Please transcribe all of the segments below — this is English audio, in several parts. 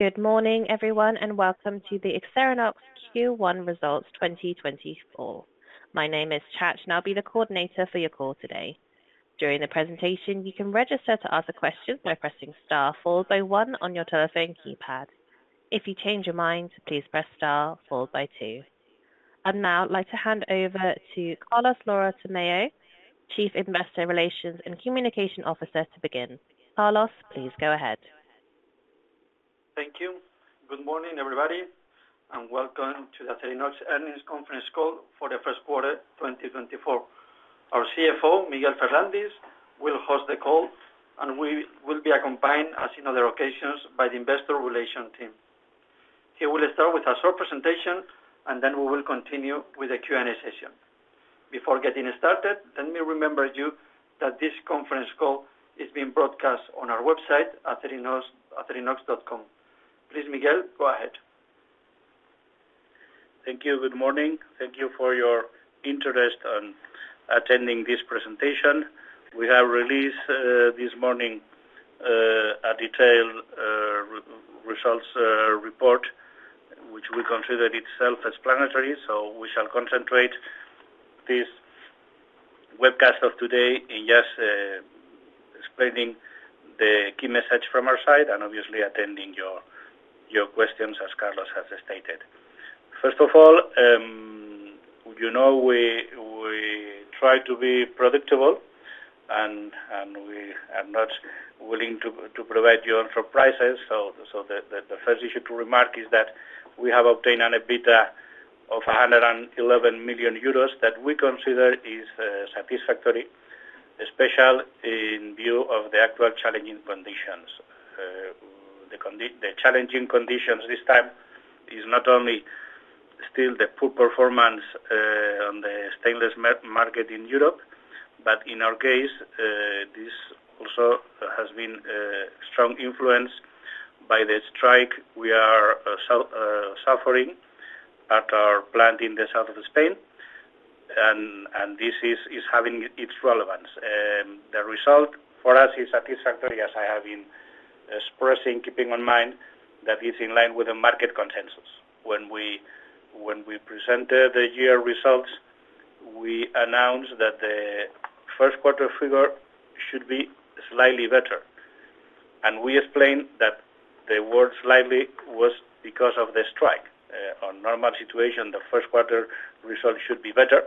Good morning, everyone, and welcome to the Acerinox Q1 results 2024. My name is Chad and I'll be the coordinator for your call today. During the presentation, you can register to ask a question by pressing star followed by one on your telephone keypad. If you change your mind, please press star followed by two. And now I'd like to hand over to Carlos Lora-Tamayo, Chief Investor Relations and Communication Officer, to begin. Carlos, please go ahead. Thank you. Good morning, everybody, and welcome to the Acerinox earnings conference call for the first quarter 2024. Our CFO, Miguel Ferrandis, will host the call, and we will be accompanied, as in other occasions, by the investor relations team. He will start with a short presentation, and then we will continue with the Q&A session. Before getting started, let me remind you that this conference call is being broadcast on our website, acerinox.com. Please, Miguel, go ahead. Thank you. Good morning. Thank you for your interest in attending this presentation. We have released, this morning, a detailed results report, which we consider itself explanatory, so we shall concentrate this webcast of today in just explaining the key message from our side and, obviously, attending your questions, as Carlos has stated. First of all, you know we try to be predictable, and we are not willing to provide you unsurprises, so the first issue to remark is that we have obtained an EBITDA of 111 million euros that we consider is satisfactory, especially in view of the actual challenging conditions. The challenging conditions this time is not only still the poor performance on the stainless market in Europe, but in our case, this also has been strongly influenced by the strike we are suffering at our plant in the south of Spain, and this is having its relevance. The result for us is satisfactory, as I have been expressing, keeping in mind that it's in line with the market consensus. When we presented the year results, we announced that the first quarter figure should be slightly better, and we explained that the word "slightly" was because of the strike. On normal situation, the first quarter result should be better,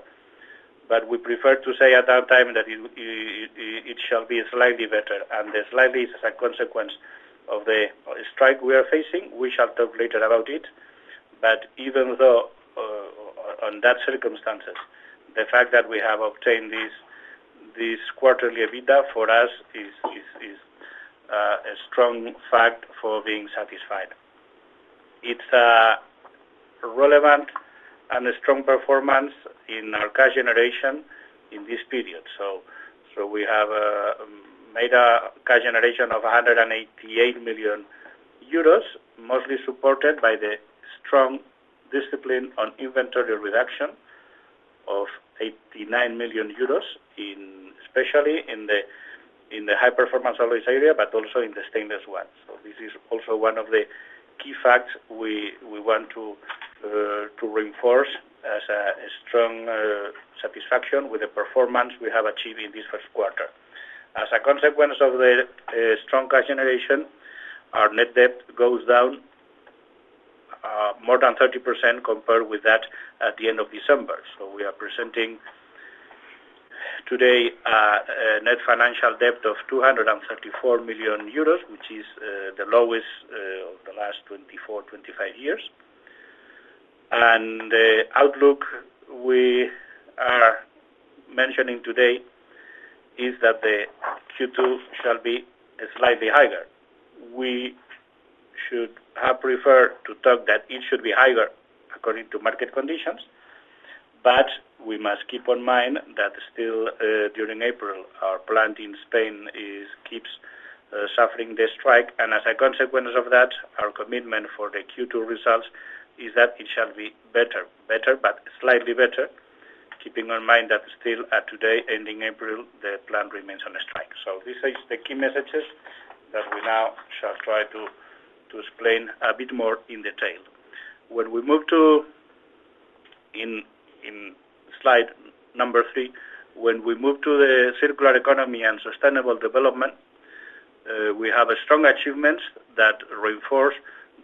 but we preferred to say at that time that it shall be slightly better, and the slightly is a consequence of the strike we are facing. We shall talk later about it, but even though, on that circumstances, the fact that we have obtained this quarterly EBITDA for us is a strong fact for being satisfied. It's relevant and a strong performance in our cash generation in this period, so we have made a cash generation of 188 million euros, mostly supported by the strong discipline on inventory reduction of 89 million euros, especially in the high-performance alloys area, but also in the stainless ones. So this is also one of the key facts we want to reinforce as a strong satisfaction with the performance we have achieved in this first quarter. As a consequence of the strong cash generation, our net debt goes down more than 30% compared with that at the end of December. So we are presenting today a net financial debt of 234 million euros, which is the lowest of the last 24, 25 years. The outlook we are mentioning today is that the Q2 shall be slightly higher. We should have preferred to talk that it should be higher according to market conditions, but we must keep in mind that still, during April, our plant in Spain is keeps suffering the strike, and as a consequence of that, our commitment for the Q2 results is that it shall be better, better, but slightly better, keeping in mind that still, today, ending April, the plant remains on strike. So these are the key messages that we now shall try to explain a bit more in detail. When we move to slide number three, when we move to the circular economy and sustainable development, we have strong achievements that reinforce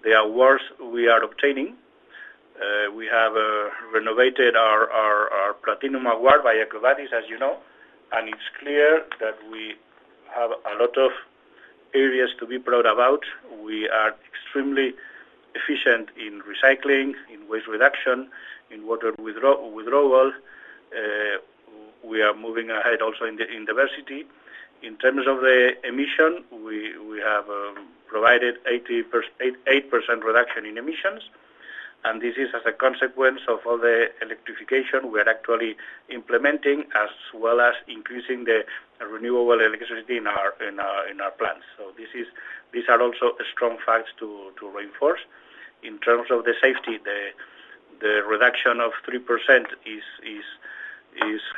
the awards we are obtaining. We have renewed our platinum award by EcoVadis, as you know, and it's clear that we have a lot of areas to be proud about. We are extremely efficient in recycling, in waste reduction, in water withdrawal. We are moving ahead also in diversity. In terms of the emission, we have provided 80%-88% reduction in emissions, and this is as a consequence of all the electrification we are actually implementing as well as increasing the renewable electricity in our plants. So these are also strong facts to reinforce. In terms of the safety, the reduction of 3%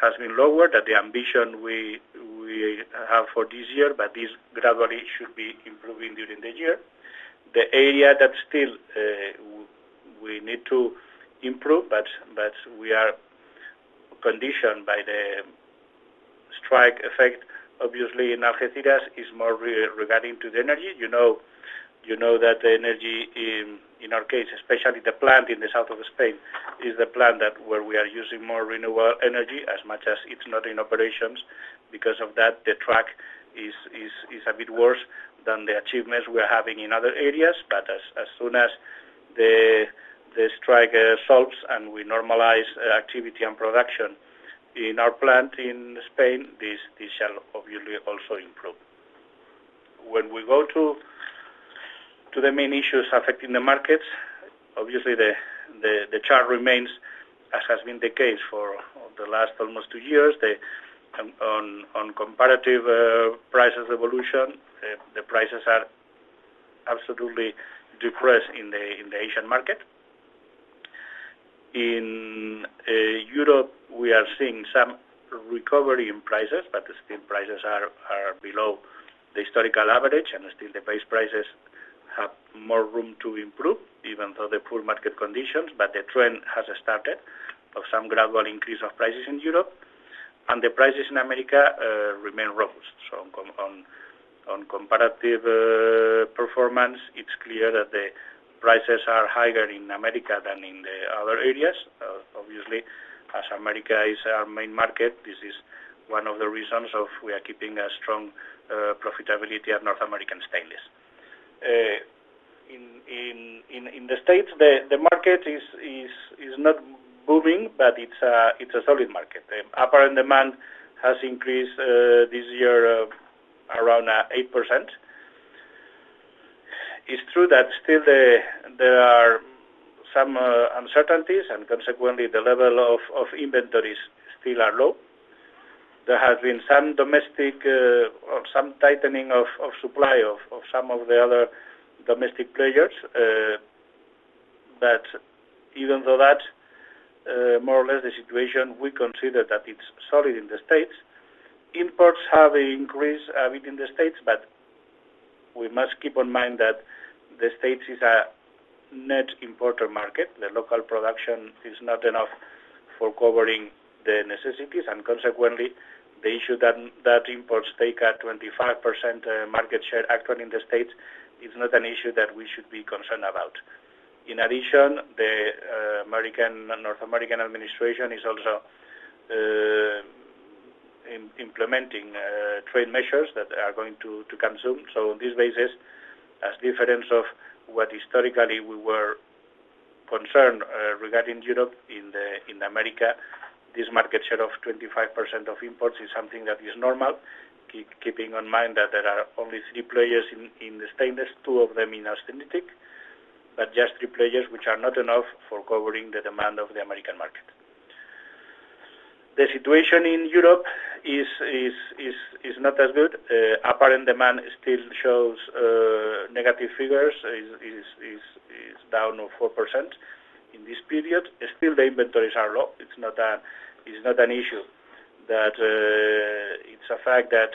has been lower than the ambition we have for this year, but this gradually should be improving during the year. The area that still we need to improve, but we are conditioned by the strike effect, obviously, in Algeciras, is more regarding to the energy. You know that the energy in our case, especially the plant in the south of Spain, is the plant that where we are using more renewable energy as much as it's not in operations. Because of that, the track is a bit worse than the achievements we are having in other areas, but as soon as the strike stops and we normalize activity and production in our plant in Spain, this shall obviously also improve. When we go to the main issues affecting the markets, obviously, the chart remains, as has been the case for the last almost two years, the ongoing comparative prices evolution, the prices are absolutely depressed in the Asian market. In Europe, we are seeing some recovery in prices, but still prices are below the historical average, and still the base prices have more room to improve even though the poor market conditions, but the trend has started of some gradual increase of prices in Europe, and the prices in America remain robust. So on comparative performance, it's clear that the prices are higher in America than in the other areas. Obviously, as America is our main market, this is one of the reasons why we are keeping a strong profitability at North American Stainless. In the States, the market is not booming, but it's a solid market. The apparent demand has increased this year around 8%. It's true that still there are some uncertainties, and consequently, the level of inventories still are low. There has been some domestic tightening of supply of some of the other domestic players, but even though that, more or less, the situation we consider that it's solid in the States. Imports have increased a bit in the States, but we must keep in mind that the States is a net importer market. The local production is not enough for covering the necessities, and consequently, the issue that imports take a 25% market share actually in the States. It's not an issue that we should be concerned about. In addition, the American North American administration is also implementing trade measures that are going to come soon. So on this basis, as difference of what historically we were concerned, regarding Europe in America, this market share of 25% of imports is something that is normal, keeping in mind that there are only three players in the stainless, two of them integrated, but just three players which are not enough for covering the demand of the American market. The situation in Europe is not as good. Apparent demand still shows negative figures. It is down 4% in this period. Still, the inventories are low. It's not an issue that it's a fact that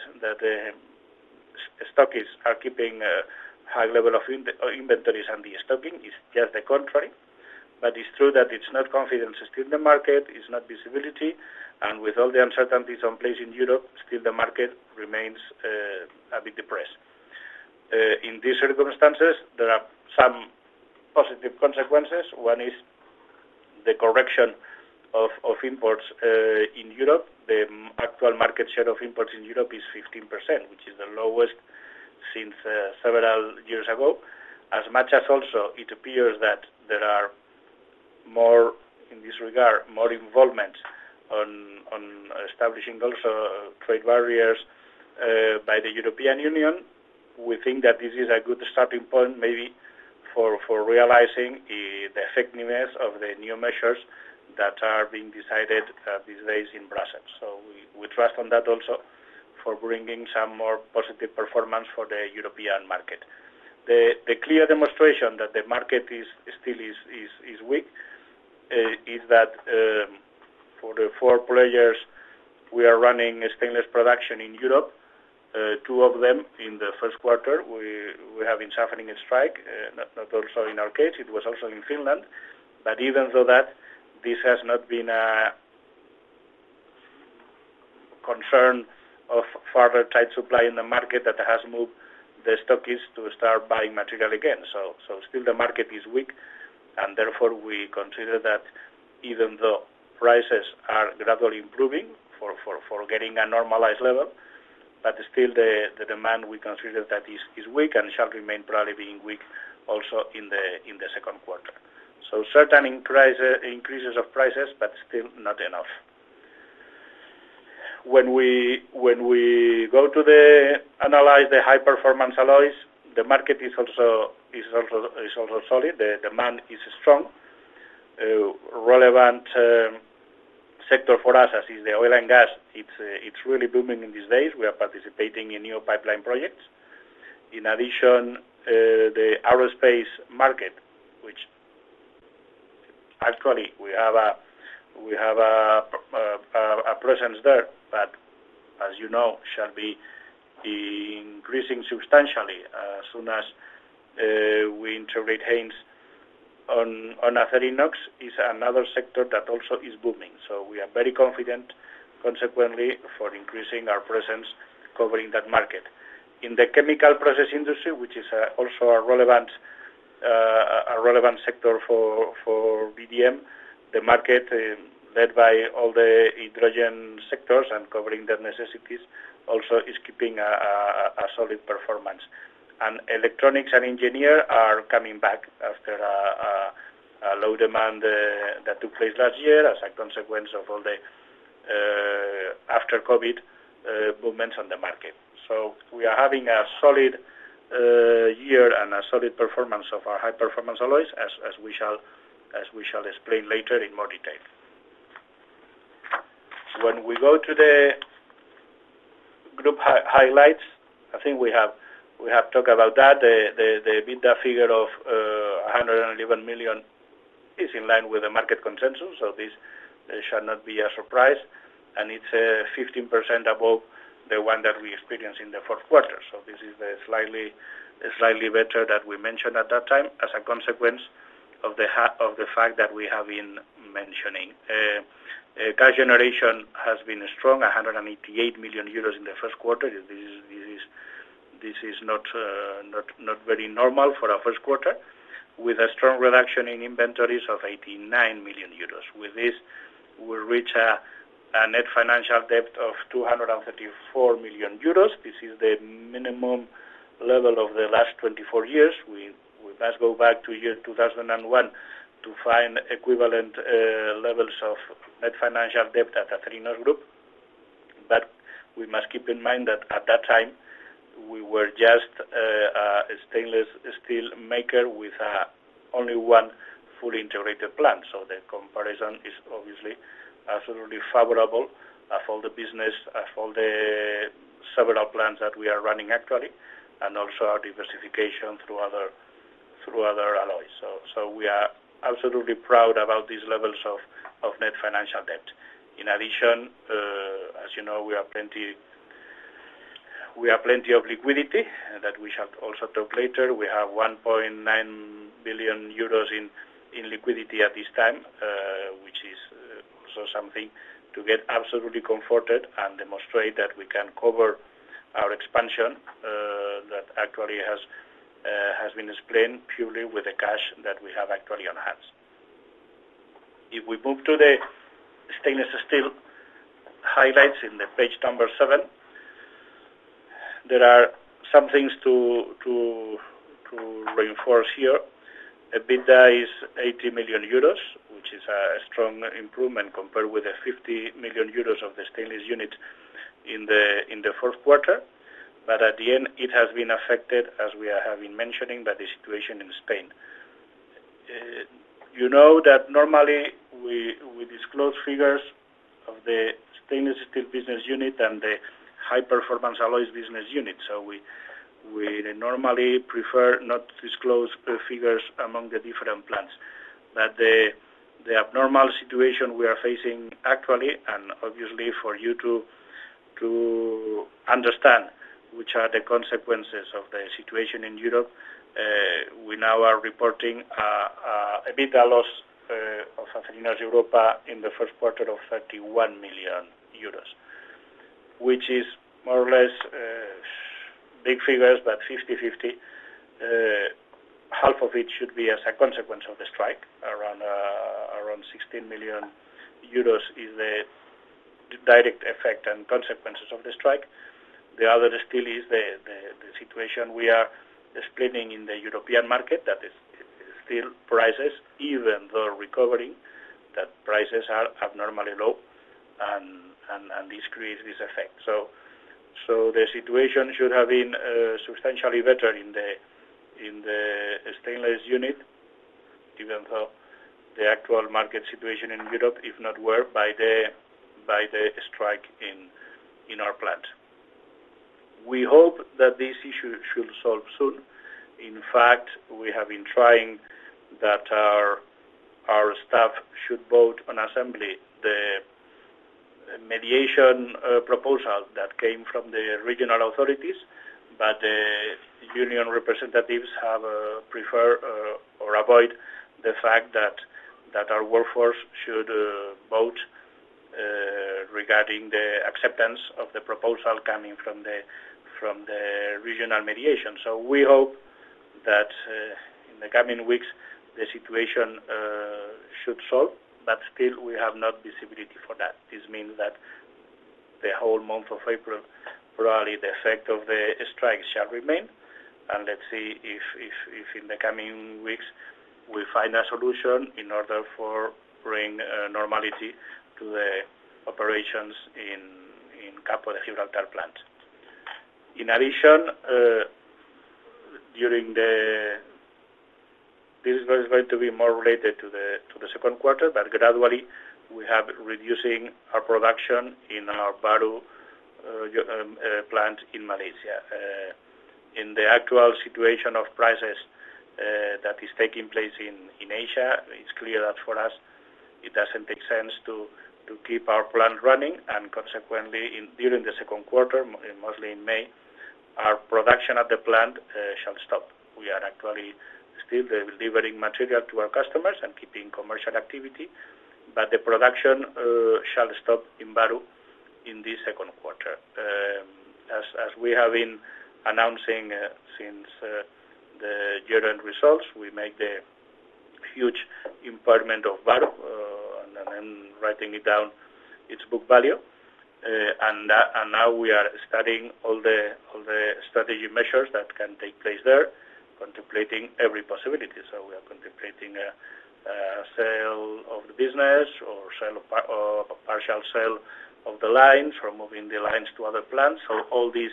stockists are keeping a high level of inventories and the stocking. It's just the contrary. It's true that it's not confidence still in the market. It's not visibility. With all the uncertainties in place in Europe, still, the market remains a bit depressed. In these circumstances, there are some positive consequences. One is the correction of imports in Europe. The actual market share of imports in Europe is 15%, which is the lowest since several years ago. As much as also, it appears that there are more in this regard, more involvement on establishing trade barriers by the European Union. We think that this is a good starting point maybe for realizing the effectiveness of the new measures that are being decided these days in Brussels. We trust on that also for bringing some more positive performance for the European market. The clear demonstration that the market is still weak is that, for the four players we are running stainless production in Europe, two of them in the first quarter, we have been suffering a strike, not only in our case. It was also in Finland. But even though that, this has not been a concern of further tight supply in the market that has moved the stockists to start buying material again. So still, the market is weak, and therefore, we consider that even though prices are gradually improving for getting a normalized level, but still, the demand we consider that is weak and shall remain probably being weak also in the second quarter. So certain increases of prices, but still not enough. When we go to analyze the high-performance alloys, the market is also solid. The demand is strong relevant sector for us, as is the oil and gas, it's really booming these days. We are participating in new pipeline projects. In addition, the aerospace market, which actually, we have a presence there, but as you know, shall be increasing substantially as soon as we integrate Haynes on Acerinox is another sector that also is booming. So we are very confident, consequently, for increasing our presence covering that market. In the chemical process industry, which is also a relevant sector for VDM, the market, led by all the hydrogen sectors and covering their necessities also is keeping a solid performance. Electronics and engineering are coming back after a low demand that took place last year as a consequence of all the after COVID movements on the market. So we are having a solid year and a solid performance of our high-performance alloys, as we shall explain later in more detail. When we go to the group highlights, I think we have talked about that. The EBITDA figure of 111 million is in line with the market consensus, so this shall not be a surprise, and it's 15% above the one that we experienced in the fourth quarter. So this is the slightly better that we mentioned at that time as a consequence of the fact that we have been mentioning. Cash generation has been strong, 188 million euros in the first quarter. This is not very normal for our first quarter, with a strong reduction in inventories of 89 million euros. With this, we reach a net financial debt of 234 million euros. This is the minimum level of the last 24 years. We must go back to year 2001 to find equivalent levels of net financial debt at Acerinox Group, but we must keep in mind that at that time, we were just a stainless steel maker with only one fully integrated plant. So the comparison is obviously absolutely favorable of all the business of all the several plants that we are running actually and also our diversification through other alloys. So we are absolutely proud about these levels of net financial debt. In addition, as you know, we have plenty of liquidity that we shall also talk later. We have 1.9 billion euros in liquidity at this time, which is also something to get absolutely comforted and demonstrate that we can cover our expansion, that actually has been explained purely with the cash that we have actually on hand. If we move to the stainless steel highlights on page seven, there are some things to reinforce here. EBITDA is 80 million euros, which is a strong improvement compared with the 50 million euros of the stainless units in the fourth quarter, but at the end, it has been affected, as we are having mentioning, by the situation in Spain. You know that normally, we, we disclose figures of the stainless steel business unit and the high-performance alloys business unit, so we, we normally prefer not to disclose figures among the different plants. But the, the abnormal situation we are facing actually, and obviously, for you to, to understand which are the consequences of the situation in Europe, we now are reporting a, a EBITDA loss of Acerinox Europa in the first quarter of 31 million euros, which is more or less big figures, but 50/50. Half of it should be as a consequence of the strike, around 16 million euros is the direct effect and consequences of the strike. The other still is the, the, the situation we are suffering in the European market that is still prices even though recovering, that prices are abnormally low, and, and, and this creates this effect. So the situation should have been substantially better in the stainless unit even though the actual market situation in Europe if it weren't for the strike in our plant. We hope that this issue should solve soon. In fact, we have been trying that our staff should vote in assembly on the mediation proposal that came from the regional authorities, but the union representatives have preferred to avoid the fact that our workforce should vote regarding the acceptance of the proposal coming from the regional mediation. So we hope that in the coming weeks the situation should solve, but still, we have no visibility for that. This means that the whole month of April, probably the effect of the strike shall remain, and let's see if in the coming weeks, we find a solution in order to bring normality to the operations in the Campo de Gibraltar plant. In addition, this is going to be more related to the second quarter, but gradually, we have reducing our production in our Bahru plant in Malaysia. In the actual situation of prices that is taking place in Asia, it's clear that for us, it doesn't make sense to keep our plant running, and consequently, during the second quarter, mostly in May, our production at the plant shall stop. We are actually still delivering material to our customers and keeping commercial activity, but the production shall stop in Bahru in this second quarter. As we have been announcing since the year-end results, we made the huge impairment of Bahru, and then writing down its book value, and now we are studying all the strategic measures that can take place there, contemplating every possibility. So we are contemplating sale of the business or sale of part of a partial sale of the lines or moving the lines to other plants. So all these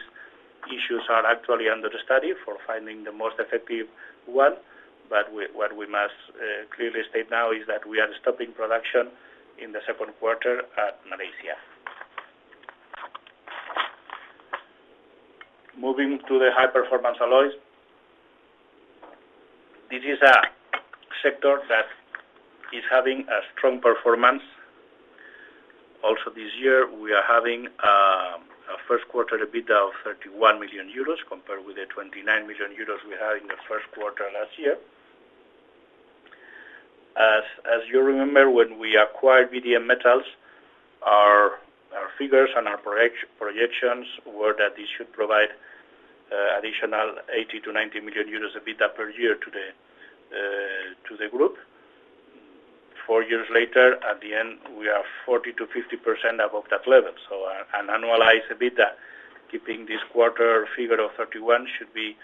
issues are actually under study for finding the most effective one, but what we must clearly state now is that we are stopping production in the second quarter at Malaysia. Moving to the high-performance alloys, this is a sector that is having a strong performance. Also, this year, we are having a first quarter EBITDA of 31 million euros compared with the 29 million euros we had in the first quarter last year. As you remember, when we acquired VDM Metals, our figures and our projections were that this should provide additional 80 million-90 million euros EBITDA per year to the group. Four years later, at the end, we are 40%-50% above that level. So annualized EBITDA keeping this quarter figure of 31 should be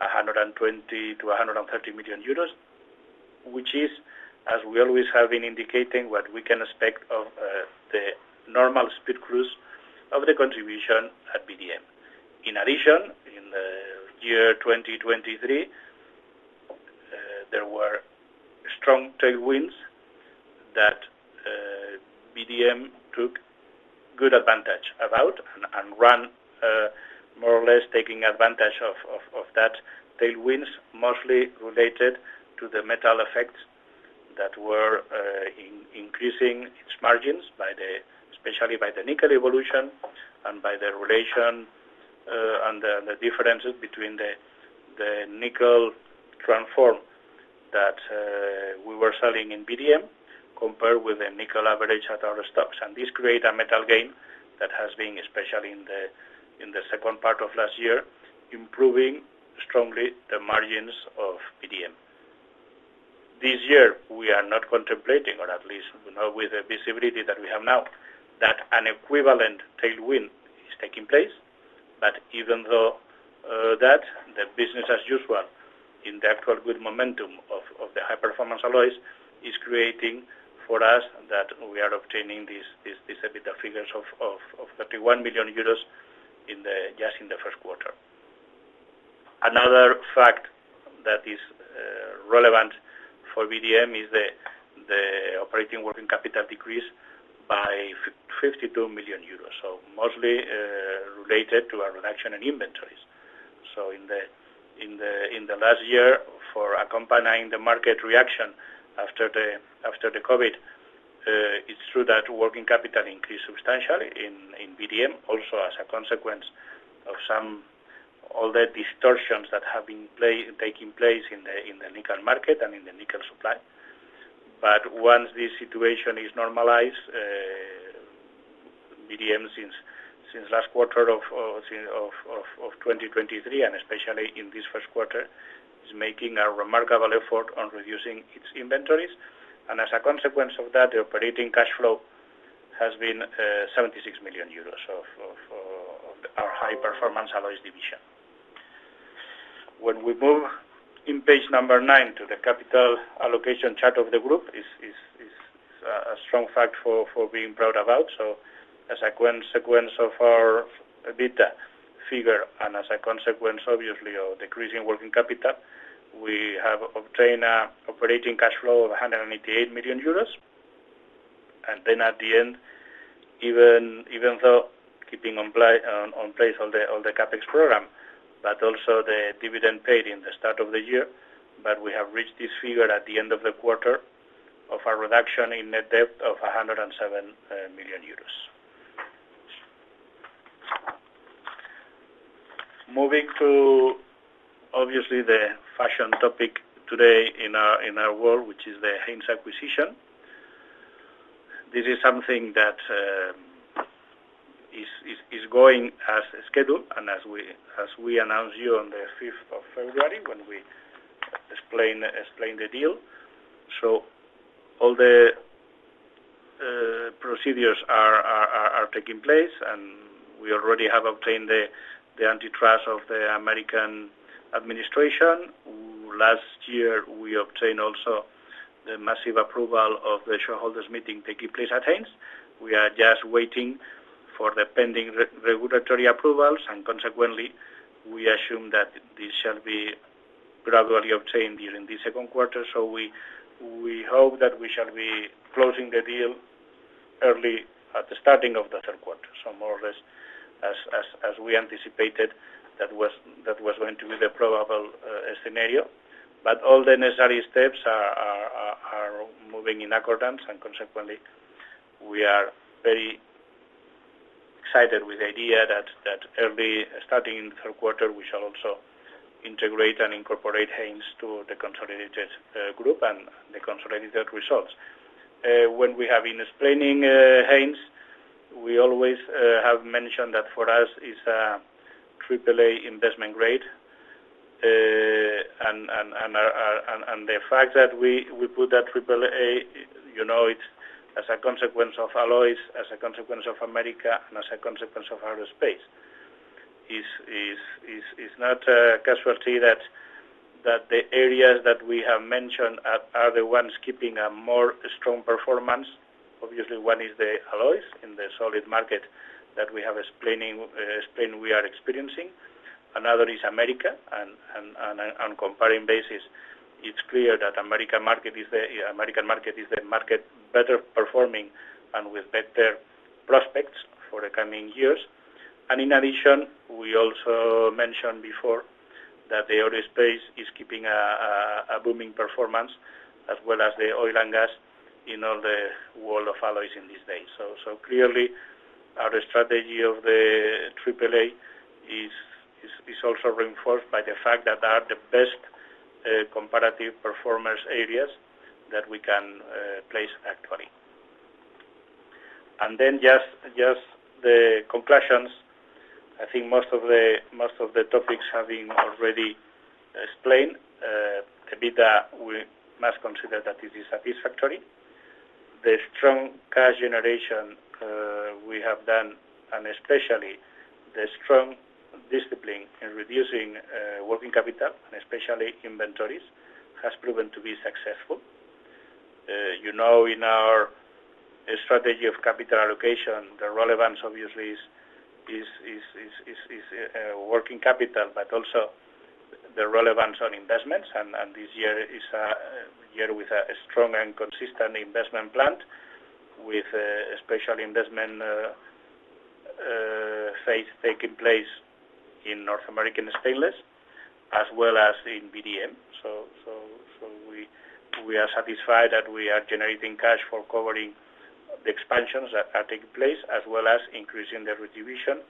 120 million-130 million euros, which is, as we always have been indicating, what we can expect of the normal speed cruise of the contribution at VDM. In addition, in the year 2023, there were strong tailwinds that VDM took good advantage of and ran, more or less taking advantage of that tailwinds, mostly related to the metal effects that were increasing its margins especially by the nickel evolution and by the relation and the differences between the nickel transform that we were selling in VDM compared with the nickel average at our stocks. And this created a metal gain that has been, especially in the second part of last year, improving strongly the margins of VDM. This year, we are not contemplating, or at least, you know, with the visibility that we have now, that an equivalent tailwind is taking place, but even though that the business as usual in the actual good momentum of the high-performance alloys is creating for us that we are obtaining this EBITDA figures of 31 million euros in just the first quarter. Another fact that is relevant for VDM is the operating working capital decrease by 52 million euros, so mostly related to our reduction in inventories. So in the last year, for accompanying the market reaction after the COVID, it's true that working capital increased substantially in VDM also as a consequence of all the distortions that have been taking place in the nickel market and in the nickel supply. But once this situation is normalized, VDM since last quarter of 2023, and especially in this first quarter, is making a remarkable effort on reducing its inventories, and as a consequence of that, the operating cash flow has been 76 million euros of our high-performance alloys division. When we move in page number nine to the capital allocation chart of the group, it's a strong fact for being proud about. So as a consequence of our EBITDA figure and as a consequence, obviously, of decreasing working capital, we have obtained an operating cash flow of 188 million euros. Then at the end, even though keeping on plan all the CapEx program, but also the dividend paid at the start of the year, but we have reached this figure at the end of the quarter of our reduction in net debt of 107 million euros. Moving to, obviously, the hot topic today in our world, which is the Haynes acquisition, this is something that is going as scheduled and as we announced you on the 5th of February when we explained the deal. So all the procedures are taking place, and we already have obtained the antitrust of the American administration. Last year, we obtained also the unanimous approval of the shareholders' meeting taking place at Haynes. We are just waiting for the pending regulatory approvals, and consequently, we assume that this shall be gradually obtained during this second quarter. So we hope that we shall be closing the deal early at the starting of the third quarter, so more or less as we anticipated that was going to be the probable scenario. But all the necessary steps are moving in accordance, and consequently, we are very excited with the idea that early starting in the third quarter, we shall also integrate and incorporate Haynes to the consolidated group and the consolidated results. When we have been explaining, Haynes, we always have mentioned that for us, it's a AAA investment grade, and the fact that we put that AAA, you know, it's as a consequence of alloys, as a consequence of America, and as a consequence of aerospace. It's not a casualty that the areas that we have mentioned are the ones keeping a more strong performance. Obviously, one is the alloys in the solid market that we have explained we are experiencing. Another is America, and on comparing basis, it's clear that the American market is the better performing market and with better prospects for the coming years. In addition, we also mentioned before that the oil space is keeping a booming performance as well as the oil and gas in all the world of alloys in these days. So clearly, our strategy of the AAA is also reinforced by the fact that they are the best comparative performance areas that we can place actually. And then just the conclusions, I think most of the topics have been already explained. EBITDA, we must consider that it is satisfactory. The strong cash generation we have done, and especially the strong discipline in reducing working capital, and especially inventories, has proven to be successful. You know, in our strategy of capital allocation, the relevance, obviously, is working capital, but also the relevance on investments. This year is a year with a strong and consistent investment plan with special investment phase taking place in North American Stainless as well as in VDM. So we are satisfied that we are generating cash for covering the expansions that are taking place as well as increasing the retribution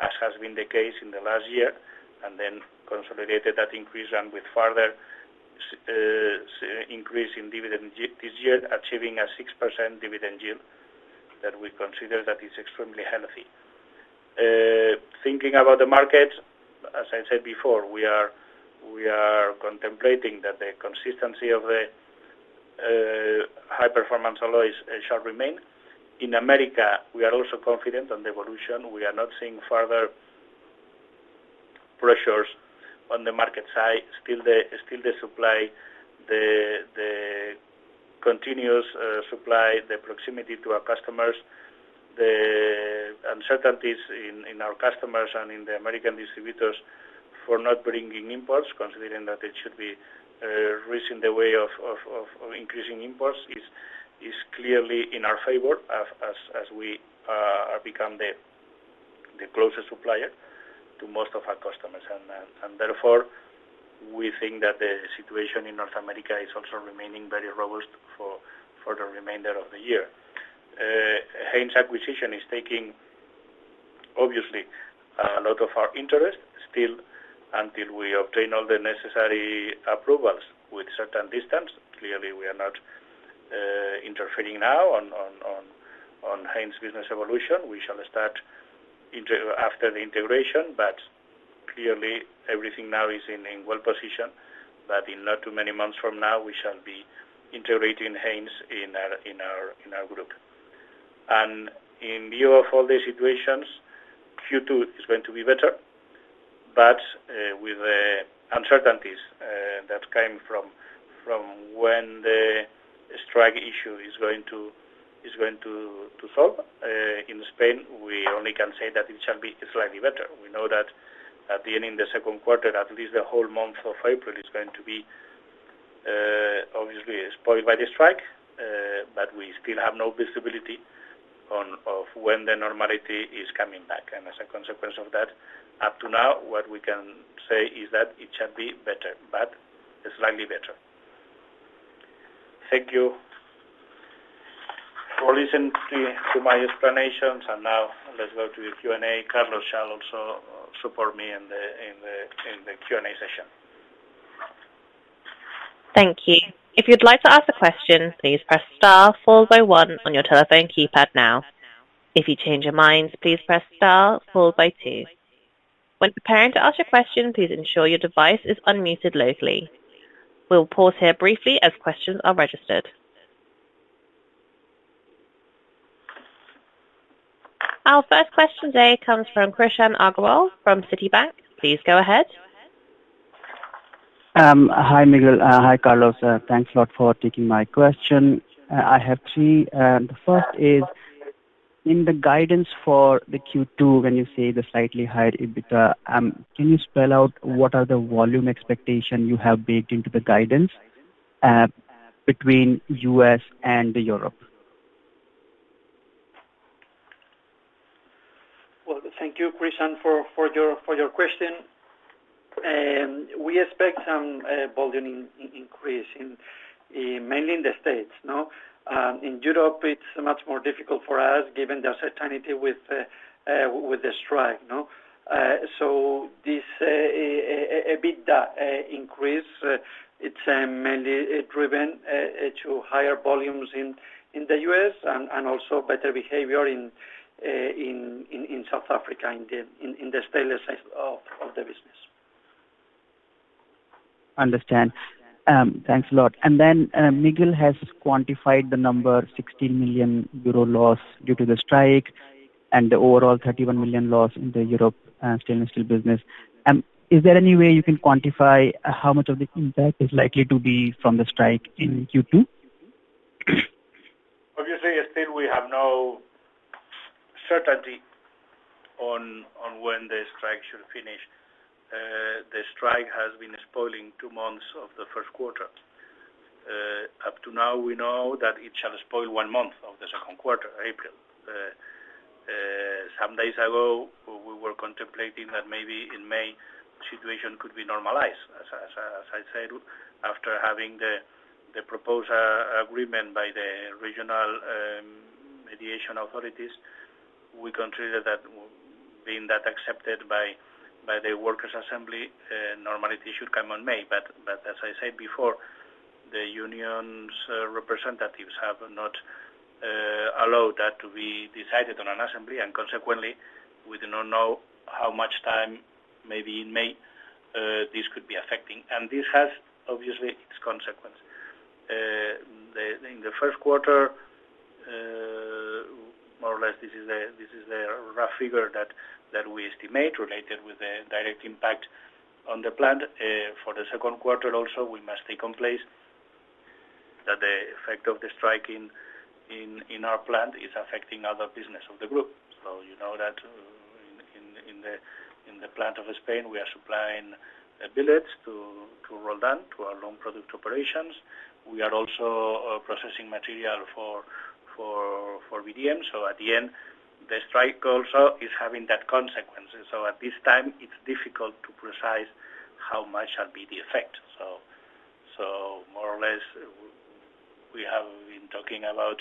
as has been the case in the last year, and then consolidated that increase and with further increase in dividend yield this year, achieving a 6% dividend yield that we consider that is extremely healthy. Thinking about the markets, as I said before, we are contemplating that the consistency of the high-performance alloys shall remain. In America, we are also confident on the evolution. We are not seeing further pressures on the market side. Still, the supply, the continuous supply, the proximity to our customers, the uncertainties in our customers and in the American distributors for not bringing imports, considering that it should be risking the way of increasing imports, is clearly in our favor as we become the closest supplier to most of our customers. And therefore, we think that the situation in North America is also remaining very robust for the remainder of the year. Haynes acquisition is taking, obviously, a lot of our interest still until we obtain all the necessary approvals with certain distance. Clearly, we are not interfering now on Haynes business evolution. We shall start interest after the integration, but clearly, everything now is in well position, but not in too many months from now, we shall be integrating Haynes in our group. In view of all these situations, Q2 is going to be better, but with the uncertainties that come from when the strike issue is going to solve in Spain, we only can say that it shall be slightly better. We know that at the end in the second quarter, at least the whole month of April is going to be, obviously, spoiled by the strike, but we still have no visibility on when the normality is coming back. As a consequence of that, up to now, what we can say is that it shall be better, but slightly better. Thank you for listening to my explanations, and now let's go to the Q&A. Carlos shall also support me in the Q&A session. Thank you. If you'd like to ask a question, please press star followed by one on your telephone keypad now. If you change your minds, please press star followed by two. When preparing to ask your question, please ensure your device is unmuted locally. We'll pause here briefly as questions are registered. Our first question today comes from Krishan Agarwal from Citibank. Please go ahead. Hi, Miguel. Hi, Carlos. Thanks a lot for taking my question. I have three. The first is in the guidance for the Q2, when you say the slightly higher EBITDA, can you spell out what are the volume expectations you have baked into the guidance, between U.S. and Europe? Well, thank you, Krishan, for your question. We expect some volume increase mainly in the States, no? In Europe, it's much more difficult for us given the certainty with the strike, no? So this EBITDA increase, it's mainly driven to higher volumes in the U.S. and also better behavior in South Africa, in the stainless sides of the business. Understand. Thanks a lot. Then, Miguel has quantified the number, 16 million euro loss due to the strike and the overall 31 million loss in the Europe, stainless steel business. Is there any way you can quantify how much of the impact is likely to be from the strike in Q2? Obviously, still we have no certainty on when the strike should finish. The strike has been spoiling two months of the first quarter. Up to now, we know that it shall spoil one month of the second quarter, April. Some days ago, we were contemplating that maybe in May, the situation could be normalized. As I said, after having the proposal agreement by the regional mediation authorities, we consider that being that accepted by the workers' assembly, normality should come on May. But as I said before, the unions' representatives have not allowed that to be decided on an assembly, and consequently, we do not know how much time maybe in May this could be affecting. And this has, obviously, its consequence. In the first quarter, more or less, this is the rough figure that we estimate related with the direct impact on the plant. For the second quarter also, we must take into account that the effect of the strike in our plant is affecting other business of the group. So you know that, in the plant of Spain, we are supplying billet to Roldan, to our long product operations. We are also processing material for VDM. So at the end, the strike also is having that consequence. And so at this time, it's difficult to predict how much shall be the effect. So more or less, we have been talking about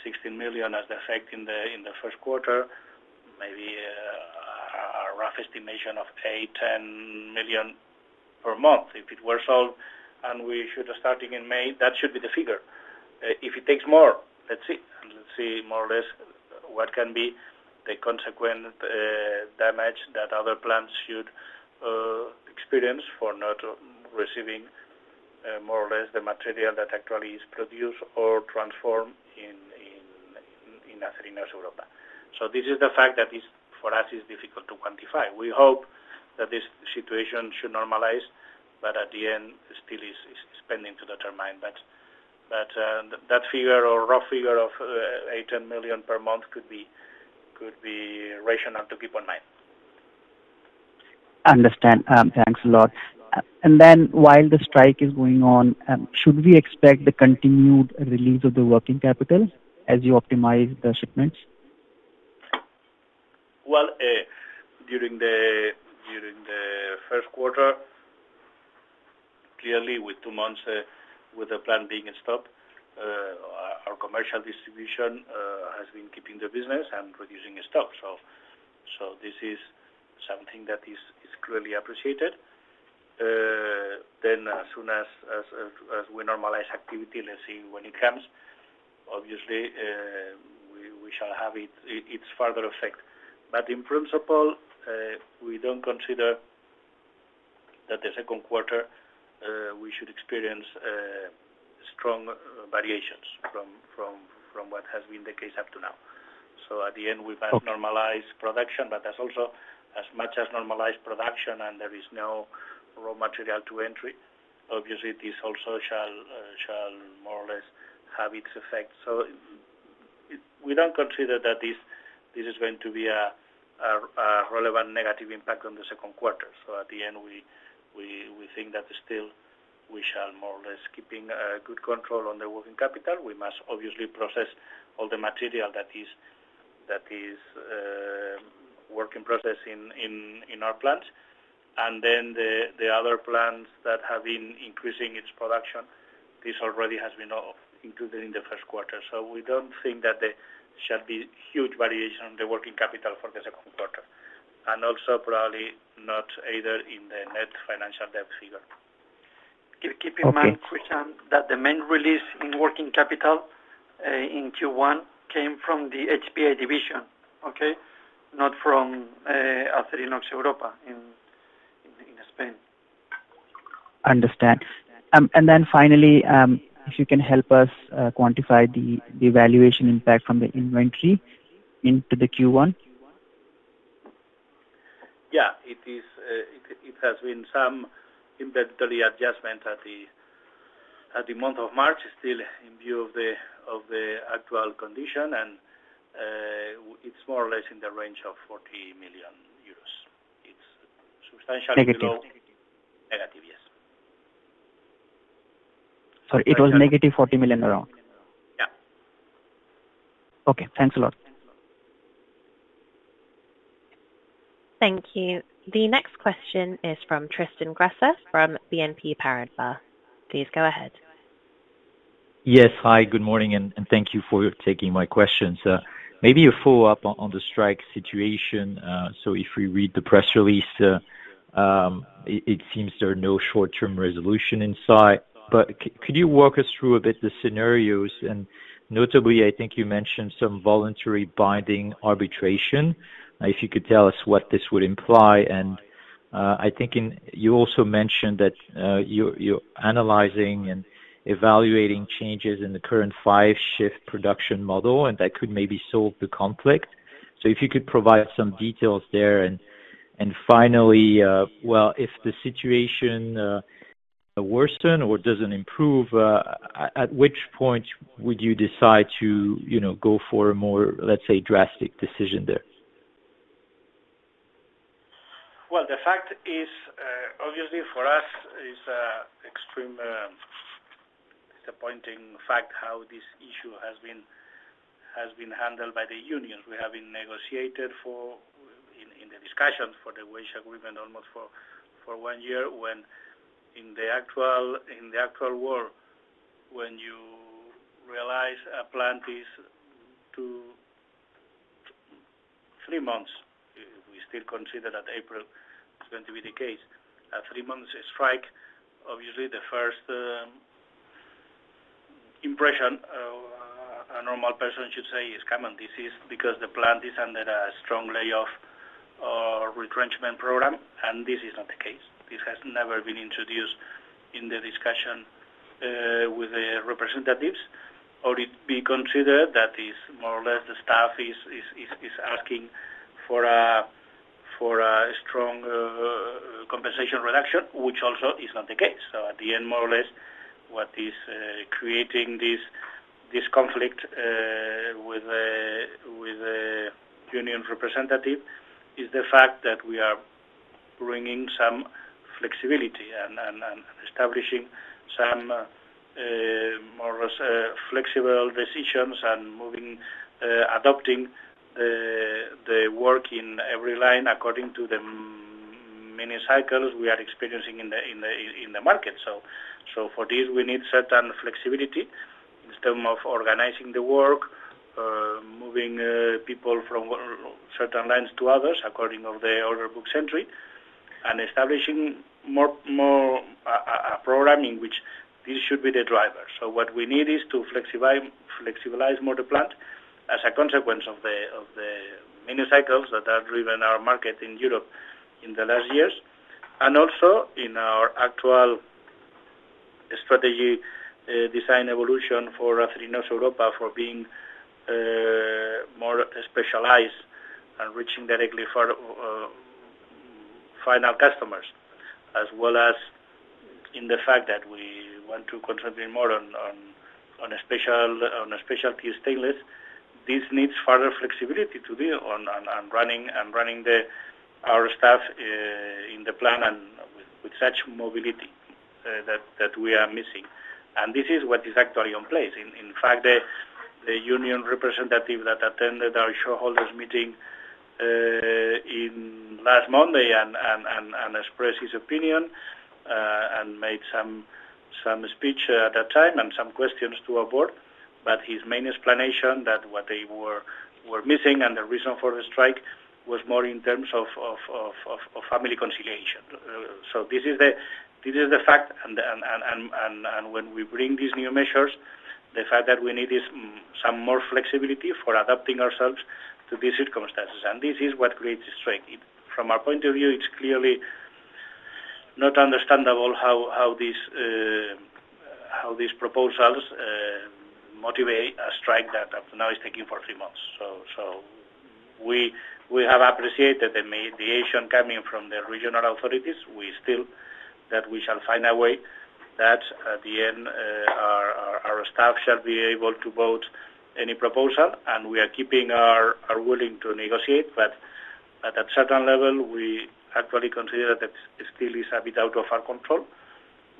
16 million as the effect in the first quarter, maybe a rough estimation of 8 million-10 million per month. If it were sold and we should starting in May, that should be the figure. If it takes more, let's see. And let's see more or less what can be the consequent damage that other plants should experience for not receiving more or less the material that actually is produced or transformed in Acerinox Europa. So this is the fact that is for us is difficult to quantify. We hope that this situation should normalize, but at the end, still is pending to determine. But that figure or rough figure of 8 million-10 million per month could be rational to keep in mind. Understood. Thanks a lot. Then, while the strike is going on, should we expect the continued release of the working capital as you optimize the shipments? Well, during the first quarter, clearly, with two months, with the plant being in stock, our commercial distribution has been keeping the business and reducing stock. So this is something that is clearly appreciated. Then as soon as we normalize activity, let's see when it comes. Obviously, we shall have its further effect. But in principle, we don't consider that the second quarter we should experience strong variations from what has been the case up to now. So at the end, we must normalize production, but as much as normalized production and there is no raw material to entry, obviously, this also shall more or less have its effect. So we don't consider that this is going to be a relevant negative impact on the second quarter. So at the end, we think that still we shall more or less keeping good control on the working capital. We must obviously process all the material that is work in process in our plants. And then the other plants that have been increasing its production, this already has been included in the first quarter. So we don't think that there shall be huge variation on the working capital for the second quarter and also probably not either in the net financial debt figure. Keep in mind, Krishan, that the main release in working capital in Q1 came from the HPA division, okay, not from Acerinox Europa in Spain. Understand. Then finally, if you can help us quantify the valuation impact from the inventory into the Q1. Yeah. It has been some inventory adjustment at the month of March still in view of the actual condition. It's more or less in the range of 40 million euros. It's substantially below negative, yes. Sorry. It was -40 million around? Yeah. Okay. Thanks a lot. Thank you. The next question is from Tristan Gresser from BNP Paribas. Please go ahead. Yes. Hi. Good morning. And thank you for taking my questions. Maybe a follow-up on the strike situation. So if we read the press release, it seems there are no short-term resolution in sight. But could you walk us through a bit the scenarios? And notably, I think you mentioned some voluntary binding arbitration. If you could tell us what this would imply. And I think you also mentioned that you're analyzing and evaluating changes in the current five-shift production model, and that could maybe solve the conflict. So if you could provide some details there. And finally, well, if the situation worsen or doesn't improve, at which point would you decide to, you know, go for a more, let's say, drastic decision there? Well, the fact is, obviously, for us, it's an extreme, disappointing fact how this issue has been handled by the unions. We have been negotiating in the discussions for the wage agreement almost for one year when in the actual world, when you realize a plant is two to three months we still consider that April is going to be the case a three-month strike, obviously, the first impression of a normal person should say is, "Come on. This is because the plant is under a strong layoff or retrenchment program." This is not the case. This has never been introduced in the discussion with the representatives. Or it would be considered that is more or less the staff is asking for a strong compensation reduction, which also is not the case. So at the end, more or less, what is creating this conflict with the union representative is the fact that we are bringing some flexibility and establishing some more or less flexible decisions and moving, adopting the work in every line according to the mini-cycles we are experiencing in the market. So for this, we need certain flexibility instead of organizing the work, moving people from certain lines to others according to the order books entry, and establishing more of a program in which this should be the driver. So what we need is to flexibilize more the plant as a consequence of the mini-cycles that have driven our market in Europe in the last years and also in our actual strategy, design evolution for Acerinox Europa for being more specialized and reaching directly for final customers as well as in the fact that we want to concentrate more on a specialty stainless. This needs further flexibility to be on running our staff in the plant and with such mobility that we are missing. And this is what is actually in place. In fact, the union representative that attended our shareholders' meeting last Monday and expressed his opinion and made some speech at that time and some questions to our board. But his main explanation that what they were missing and the reason for the strike was more in terms of family conciliation. So this is the fact. And when we bring these new measures, the fact that we need is some more flexibility for adapting ourselves to these circumstances. And this is what creates the strike. From our point of view, it's clearly not understandable how these proposals motivate a strike that up to now is taking for three months. So we have appreciated the mediation coming from the regional authorities. We still that we shall find a way that at the end, our staff shall be able to vote any proposal. And we are keeping our willing to negotiate. But at certain level, we actually consider that it still is a bit out of our control.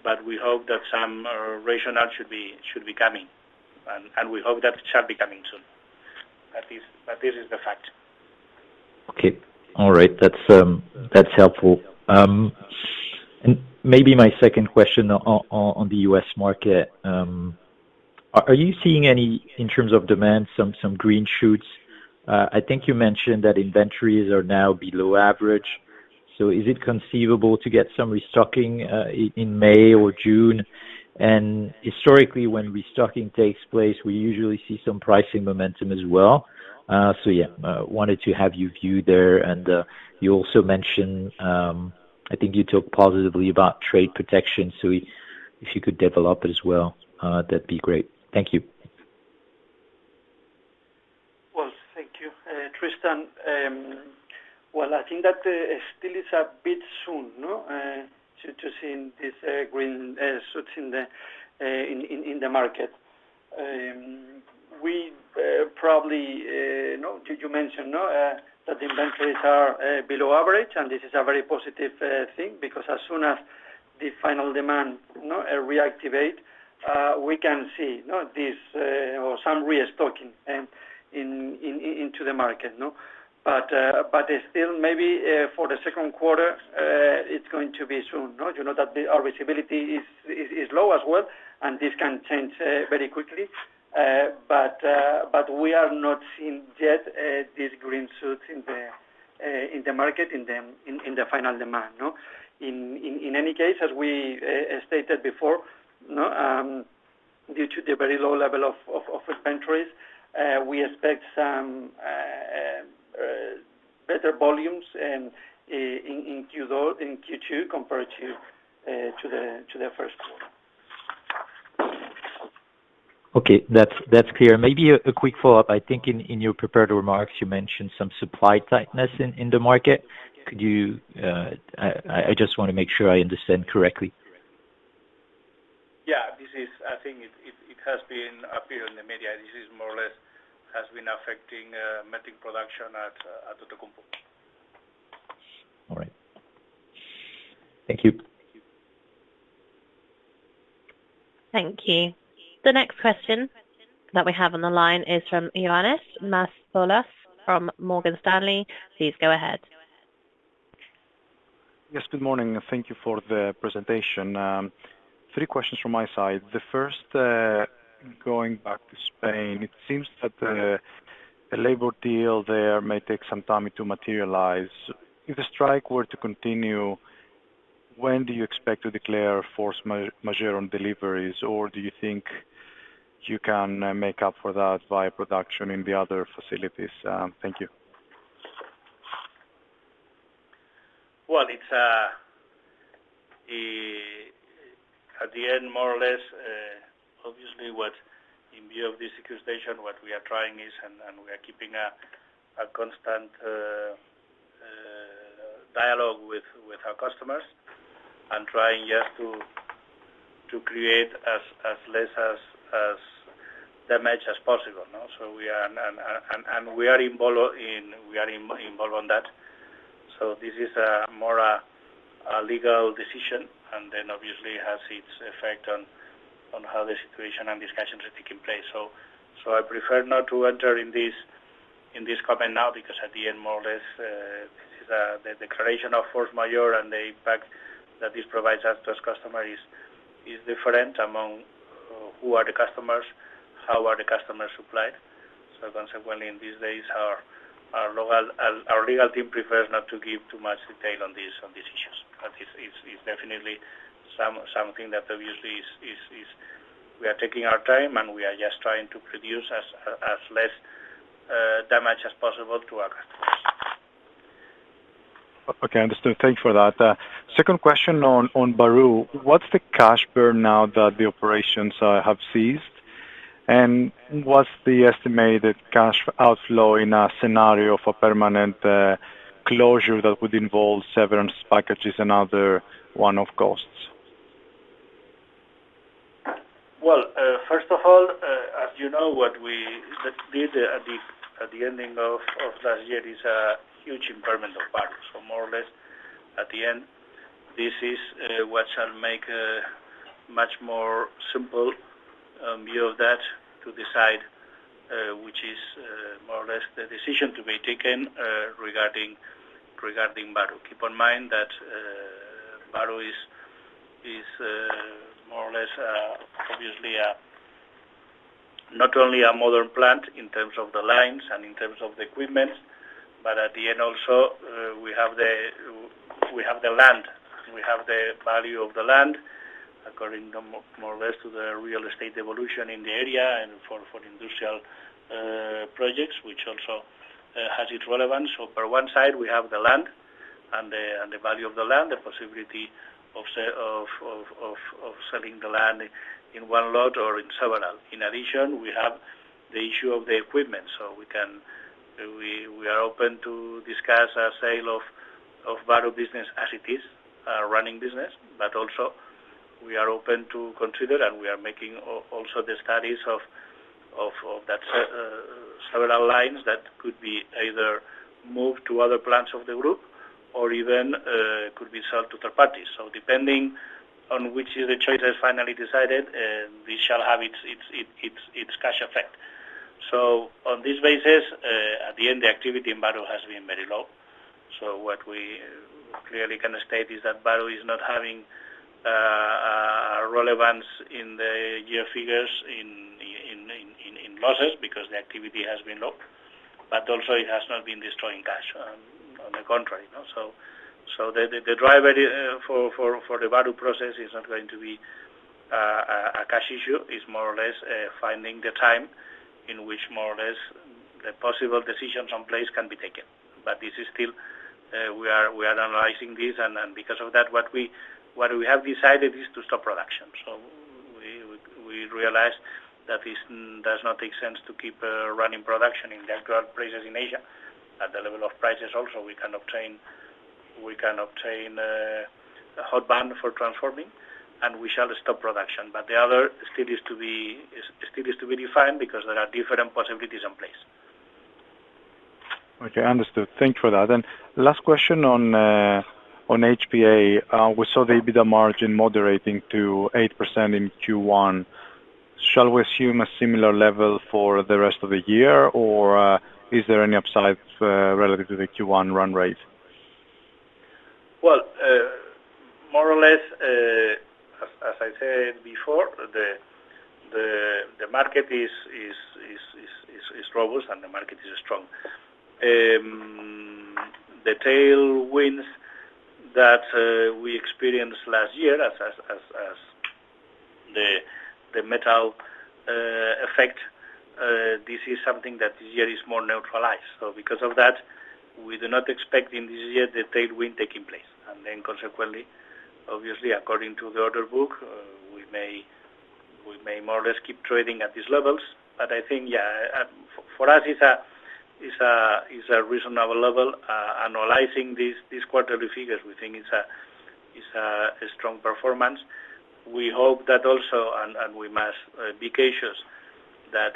But we hope that some rationale should be coming. And we hope that shall be coming soon. But this is the fact. Okay. All right. That's, that's helpful. And maybe my second question on the U.S. market. Are, are you seeing any in terms of demand, some, some green shoots? I think you mentioned that inventories are now below average. So is it conceivable to get some restocking in May or June? And historically, when restocking takes place, we usually see some pricing momentum as well. So yeah, wanted to have your view there. And, you also mentioned, I think you talked positively about trade protection. So if you could develop it as well, that'd be great. Thank you. Well, thank you. Tristan, well, I think that still is a bit soon, no? to seeing these green shoots in the market. We probably—no, you mentioned, no?—that inventories are below average. And this is a very positive thing because as soon as the final demand, no? reactivate, we can see, no? this or some restocking into the market, no? But still, maybe for the second quarter, it's going to be soon, no? You know that our visibility is low as well. And this can change very quickly. But we are not seeing yet these green shoots in the market in the final demand, no? In any case, as we stated before, no? Due to the very low level of inventories, we expect some better volumes in Q2 compared to the first quarter. Okay. That's clear. Maybe a quick follow-up. I think in your prepared remarks, you mentioned some supply tightness in the market. Could you, I just want to make sure I understand correctly. Yeah. This is, I think, it has been appeared in the media. This is more or less has been affecting melting production at Outokumpu. All right. Thank you. Thank you. The next question that we have on the line is from Ioannis Masvoulas from Morgan Stanley. Please go ahead. Yes. Good morning. Thank you for the presentation. Three questions from my side. The first, going back to Spain, it seems that a labor deal there may take some time to materialize. If the strike were to continue, when do you expect to declare force majeure on deliveries? Or do you think you can make up for that via production in the other facilities? Thank you. Well, it's at the end, more or less, obviously, what in view of this situation, what we are trying is and we are keeping a constant dialogue with our customers and trying just to create as less damage as possible, no? So we are and we are involved in that. So this is more a legal decision. And then, obviously, has its effect on how the situation and discussions are taking place. So I prefer not to enter in this comment now because at the end, more or less, this is the declaration of force majeure and the impact that this provides us to as customers is different among who are the customers, how are the customers supplied. So consequently, in these days, our local legal team prefers not to give too much detail on these issues. But it's definitely something that obviously we are taking our time, and we are just trying to produce as less damage as possible to our customers. Okay. Understood. Thanks for that. Second question on Bahru. What's the cash burn now that the operations have ceased? And what's the estimated cash outflow in a scenario for permanent closure that would involve severance packages and other one-off costs? Well, first of all, as you know, what we did at the end of last year is a huge impairment of Bahru. So more or less, at the end, this is what shall make much more simple in view of that to decide, which is more or less the decision to be taken regarding Bahru. Keep in mind that Bahru is more or less obviously not only a modern plant in terms of the lines and in terms of the equipment, but at the end also we have the land. We have the value of the land according to more or less the real estate evolution in the area and for industrial projects, which also has its relevance. So on one side, we have the land and the value of the land, the possibility of selling the land in one lot or in several. In addition, we have the issue of the equipment. So we are open to discuss a sale of Bahru business as it is, a running business. But also, we are open to consider, and we are making also the studies of that several lines that could be either moved to other plants of the group or even could be sold to third parties. So depending on which is the choice that's finally decided, this shall have its cash effect. So on this basis, at the end, the activity in Bahru has been very low. So what we clearly can state is that Bahru is not having a relevance in the year figures in losses because the activity has been low. But also, it has not been destroying cash. On the contrary, no? So the driver for the Bahru process is not going to be a cash issue. It's more or less finding the time in which more or less the possible decisions on place can be taken. But this is still we are analyzing this. And because of that, what we have decided is to stop production. So we realized that this does not make sense to keep running production in the actual places in Asia. At the level of prices also, we can obtain a hot band for transforming. We shall stop production. But the other is still to be defined because there are different possibilities on place. Okay. Understood. Thanks for that. Last question on, on HPA. We saw the EBITDA margin moderating to 8% in Q1. Shall we assume a similar level for the rest of the year? Or, is there any upside, relative to the Q1 run rate? Well, more or less, as I said before, the market is robust, and the market is strong. The tailwinds that we experienced last year as the metal effect, this is something that this year is more neutralized. So because of that, we do not expect in this year the tailwind taking place. And then consequently, obviously, according to the order book, we may more or less keep trading at these levels. But I think, yeah, for us, it's a reasonable level. Analyzing these quarterly figures, we think it's a strong performance. We hope that also and we must be cautious that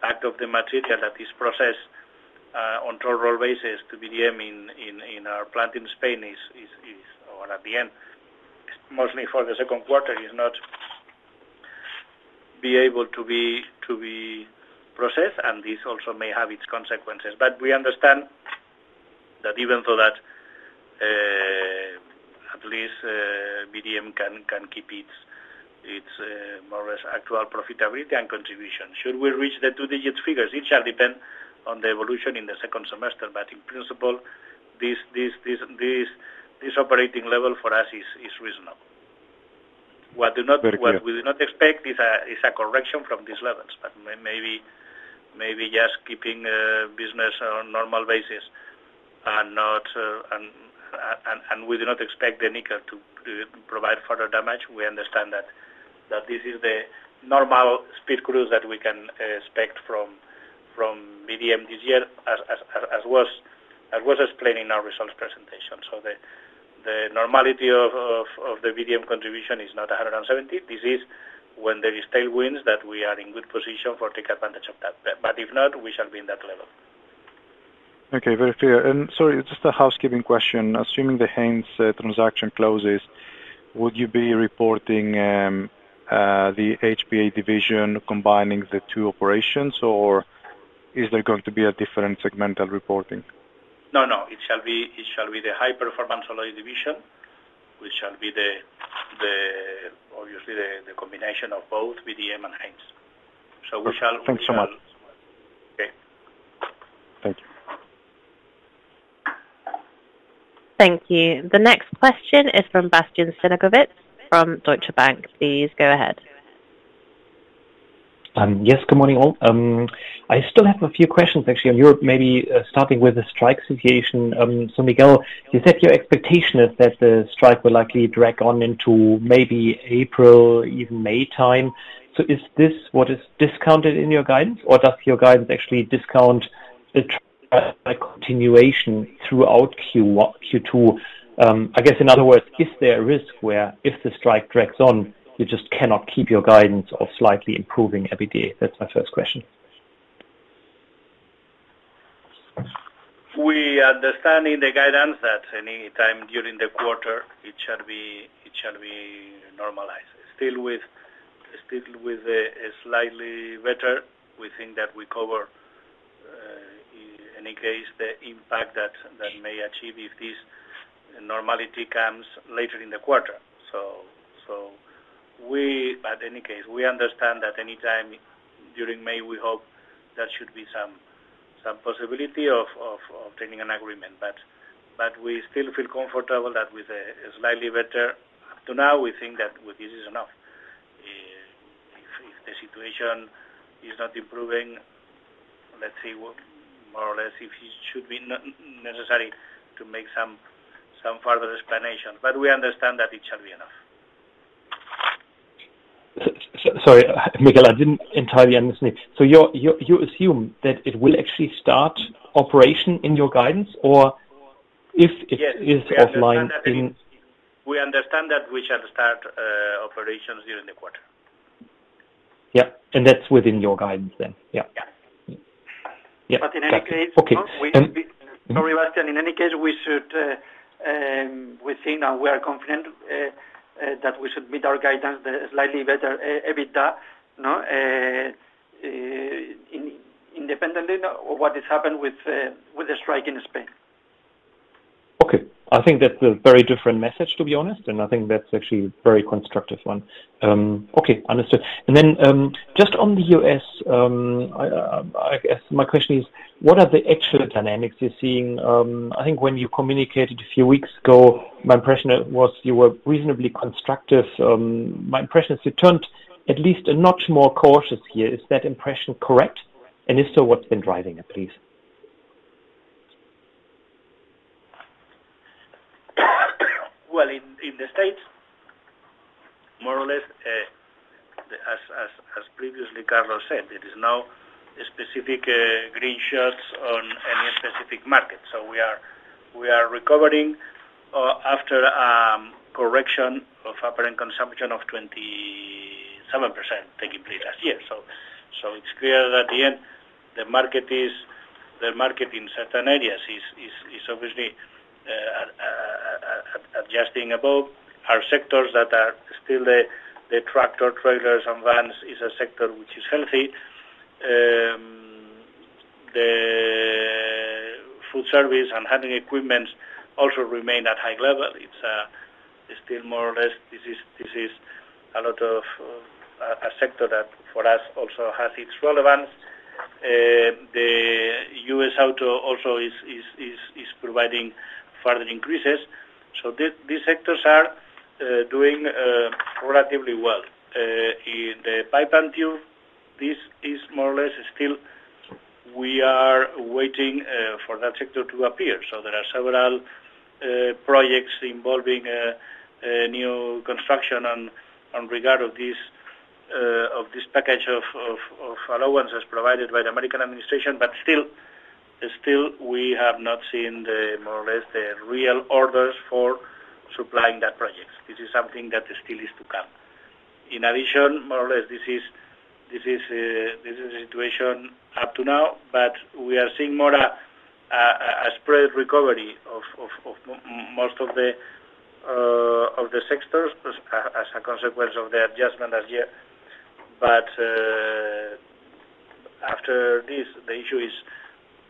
part of the material that is processed on total basis to VDM in our plant in Spain is or at the end, mostly for the second quarter, not able to be processed. And this also may have its consequences. But we understand that even though that at least VDM can keep its more or less actual profitability and contribution. Should we reach the two-digit figures, it shall depend on the evolution in the second semester. But in principle, this operating level for us is reasonable. What we do not expect is a correction from these levels. But maybe just keeping business on normal basis and not and we do not expect the nickel to provide further damage. We understand that this is the normal speed cruise that we can expect from VDM this year as was explained in our results presentation. So the normality of the VDM contribution is not 170. This is when there is tailwinds that we are in good position for to take advantage of that. But if not, we shall be in that level. Okay. Very clear. Sorry, just a housekeeping question. Assuming the Haynes transaction closes, would you be reporting the HPA division combining the two operations? Or is there going to be a different segmental reporting? No, no. It shall be the high-performance alloys division, which shall be, obviously, the combination of both VDM and Haynes. So we shall. Okay. Thanks so much. Okay. Thank you. Thank you. The next question is from Bastian Synagowitz from Deutsche Bank. Please go ahead. Yes. Good morning, all. I still have a few questions, actually, on Europe maybe, starting with the strike situation. So Miguel, you said your expectation is that the strike will likely drag on into maybe April, even May time. So is this what is discounted in your guidance? Or does your guidance actually discount the continuation throughout Q1 Q2? I guess, in other words, is there a risk where if the strike drags on, you just cannot keep your guidance of slightly improving EBITDA? That's my first question. We understand in the guidance that anytime during the quarter, it shall be normalized. Still with slightly better, we think that we cover, in any case, the impact that may achieve if this normality comes later in the quarter. So, in any case, we understand that anytime during May, we hope there should be some possibility of taking an agreement. But we still feel comfortable that with a slightly better up to now, we think that with this is enough. If the situation is not improving, let's see what more or less if it should be necessary to make some further explanation. But we understand that it shall be enough. Sorry, Miguel, I didn't entirely understand. So you're, you assume that it will actually start operation in your guidance? Or if it is offline in. Yes. We understand that we shall start operations during the quarter. Yep. And that's within your guidance then? Yep? Yeah. Yeah. But in any case, no, we're sorry, Bastian. In any case, we should, we think, and we are confident, that we should meet our guidance, the slightly better EBITDA, no? independently of what has happened with the strike in Spain. Okay. I think that's a very different message, to be honest. And I think that's actually a very constructive one. Okay. Understood. And then, just on the U.S., I guess my question is, what are the actual dynamics you're seeing? I think when you communicated a few weeks ago, my impression was you were reasonably constructive. My impression is you turned at least a notch more cautious here. Is that impression correct? And if so, what's been driving it, please? Well, in the States, more or less, as previously Carlos said, there is no specific green shoots on any specific market. So we are recovering, after a correction of apparent consumption of 27% taking place last year. So it's clear that at the end, the market in certain areas is obviously adjusting above. Our sectors that are still the tractor, trailers, and vans is a sector which is healthy. The food service and handling equipment also remain at high level. It's still more or less this is a lot of a sector that, for us, also has its relevance. The U.S. auto also is providing further increases. So these sectors are doing relatively well. In the Pipe & Tube, this is more or less still we are waiting for that sector to appear. So there are several projects involving new construction on regard of this package of allowance that's provided by the American administration. But still, we have not seen more or less the real orders for supplying that project. This is something that still is to come. In addition, more or less, this is a situation up to now. But we are seeing more a spread recovery of most of the sectors as a consequence of the adjustment last year. But after this, the issue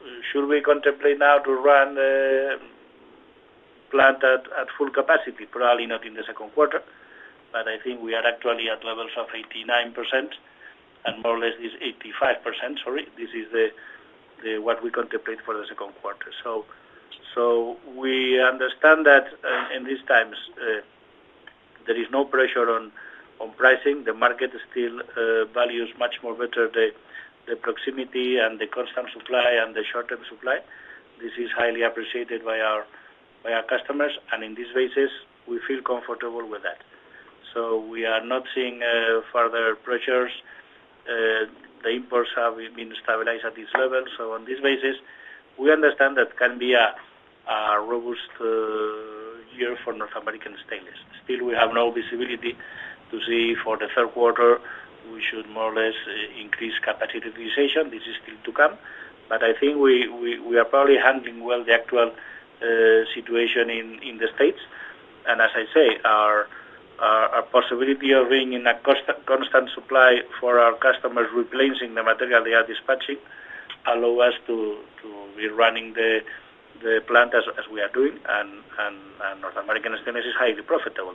is, should we contemplate now to run the plant at full capacity? Probably not in the second quarter. But I think we are actually at levels of 89%. And more or less, it's 85%, sorry. This is what we contemplate for the second quarter. So we understand that in these times, there is no pressure on pricing. The market still values much more better the proximity and the constant supply and the short-term supply. This is highly appreciated by our customers. And in this basis, we feel comfortable with that. So we are not seeing further pressures. The imports have been stabilized at these levels. So on this basis, we understand that can be a robust year for North American Stainless. Still, we have no visibility to see for the third quarter. We should more or less increase capacity utilization. This is still to come. But I think we are probably handling well the actual situation in the States. As I say, our possibility of being in a constant supply for our customers replacing the material they are dispatching allow us to be running the plant as we are doing. And North American Stainless is highly profitable.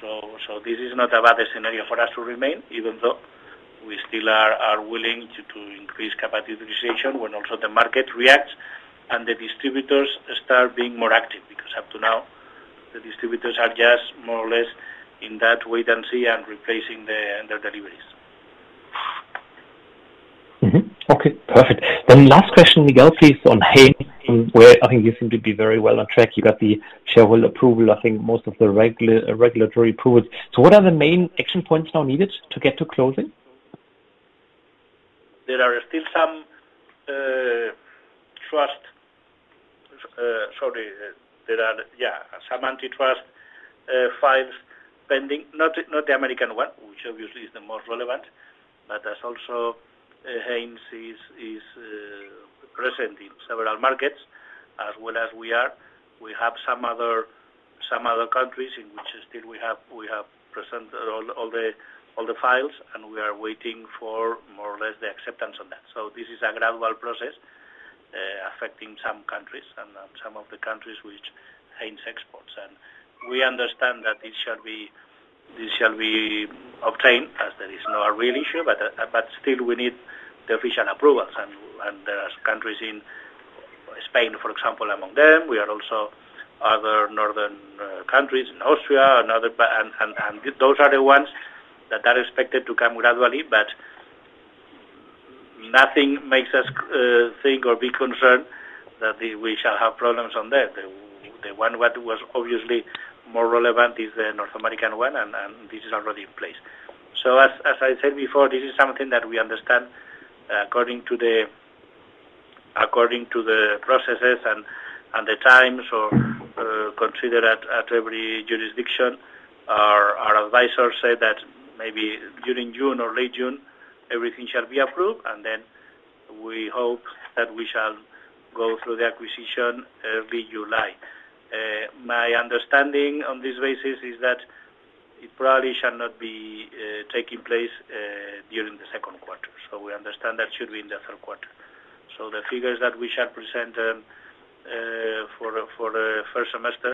So this is not a bad scenario for us to remain, even though we still are willing to increase capacity utilization when the market reacts and the distributors start being more active. Because up to now, the distributors are just more or less in that wait and see and replacing their deliveries. Mm-hmm. Okay. Perfect. Then last question, Miguel, please, on Haynes, where I think you seem to be very well on track. You got the shareholder approval, I think, most of the regulatory approvals. So what are the main action points now needed to get to closing? There are, yeah, some antitrust files pending. Not the American one, which obviously is the most relevant. But also as Haynes is present in several markets as well as we are. We have some other countries in which still we have present all the files. And we are waiting for more or less the acceptance on that. So this is a gradual process, affecting some countries and some of the countries which Haynes exports. And we understand that this shall be obtained as there is no real issue. But still, we need the official approvals. And there are countries in Spain, for example, among them. There are also other northern countries in Austria and other, and those are the ones that are expected to come gradually. But nothing makes us think or be concerned that we shall have problems on there. The one that was obviously more relevant is the North American one. And this is already in place. So as I said before, this is something that we understand. According to the processes and the times or considered at every jurisdiction, our advisors said that maybe during June or late June, everything shall be approved. And then we hope that we shall go through the acquisition early July. My understanding on this basis is that it probably shall not be taking place during the second quarter. So we understand that should be in the third quarter. So the figures that we shall present them for the first semester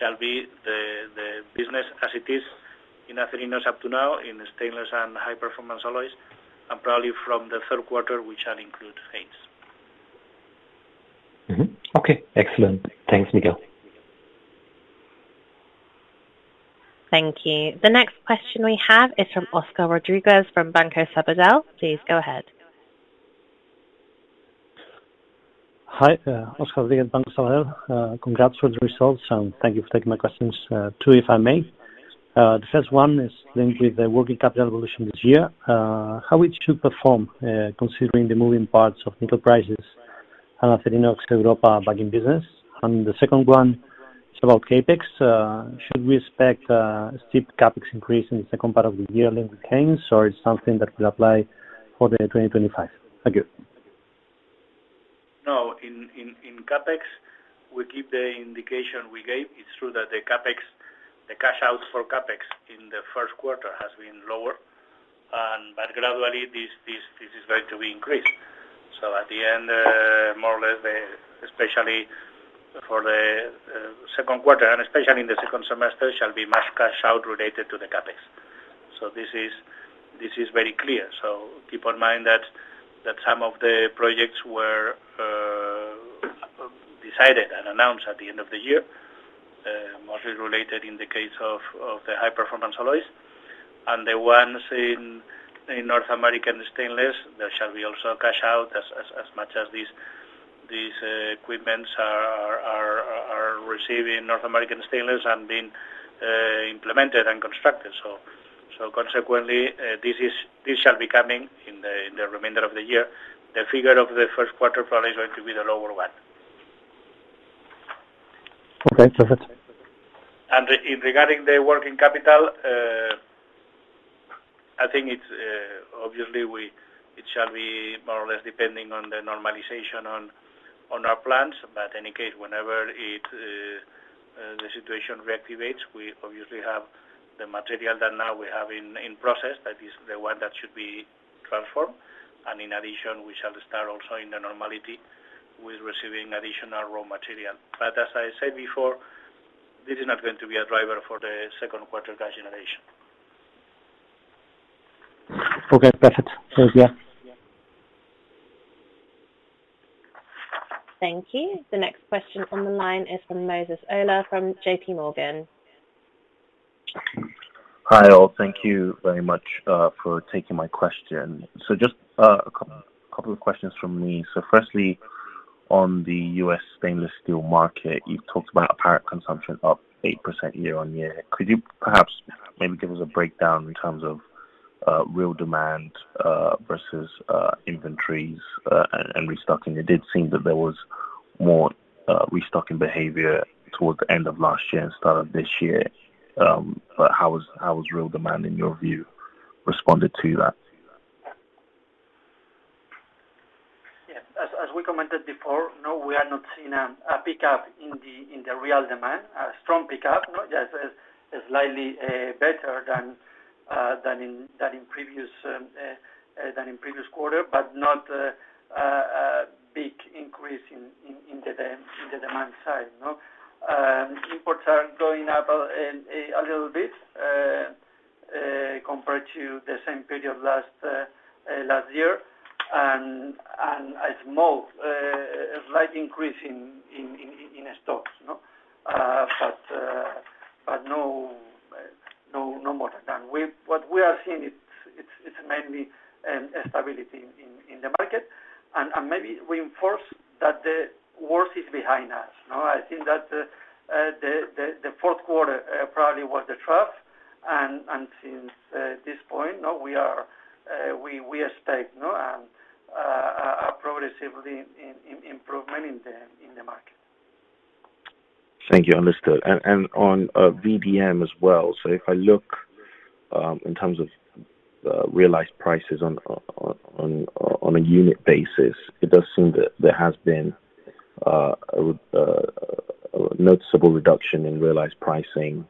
shall be the business as it is in Acerinox up to now in stainless and high-performance alloys. Probably from the third quarter, we shall include Haynes. Mm-hmm. Okay. Excellent. Thanks, Miguel. Thank you. The next question we have is from Óscar Rodríguez from Banco Sabadell. Please go ahead. Hi, Óscar Rodríguez, Banco Sabadell. Congrats for the results. Thank you for taking my questions, too, if I may. The first one is linked with the working capital evolution this year, how it should perform, considering the moving parts of nickel prices and Acerinox Europa back in business. The second one is about CapEx. Should we expect a steep CapEx increase in the second part of the year linked with Haynes? Or is something that will apply for 2025? Thank you. No. In CapEx, we keep the indication we gave. It's true that the CapEx, the cash out for CapEx in the first quarter has been lower. But gradually, this is going to be increased. So at the end, more or less, especially for the second quarter and especially in the second semester, shall be much cash out related to the CapEx. So this is very clear. So keep in mind that some of the projects were decided and announced at the end of the year, mostly related in the case of the high-performance alloys. And the ones in North American Stainless, there shall be also cash out as much as these equipments are receiving North American Stainless and being implemented and constructed. So, consequently, this shall be coming in the remainder of the year. The figure of the first quarter probably is going to be the lower one. Okay. Perfect. In regarding the working capital, I think it's, obviously, it shall be more or less depending on the normalization on our plants. But in any case, whenever it, the situation reactivates, we obviously have the material that now we have in process that is the one that should be transformed. In addition, we shall start also in the normality with receiving additional raw material. But as I said before, this is not going to be a driver for the second quarter cash generation. Okay. Perfect. Thank you. Thank you. The next question on the line is from Moses Ola from JPMorgan. Hi all. Thank you very much for taking my question. So just a couple a couple of questions from me. So firstly, on the U.S. stainless steel market, you've talked about apparent consumption up 8% year-on-year. Could you perhaps maybe give us a breakdown in terms of real demand versus inventories and restocking? It did seem that there was more restocking behavior towards the end of last year and start of this year. But how was real demand, in your view, responded to that? Yeah. As we commented before, no, we are not seeing a pickup in the real demand. A strong pickup, no? Yeah. It's slightly better than in the previous quarter. But not a big increase in the demand side, no? Imports are going up a little bit, compared to the same period last year. And a small, slight increase in stocks, no? But no more than that. What we are seeing, it's mainly stability in the market. And maybe reinforce that the worst is behind us, no? I think that the fourth quarter probably was the trough. And since this point, no, we expect, no? a progressive lean in improvement in the market. Thank you. Understood. And on VDM as well. So if I look in terms of realized prices on a unit basis, it does seem that there has been a noticeable reduction in realized pricing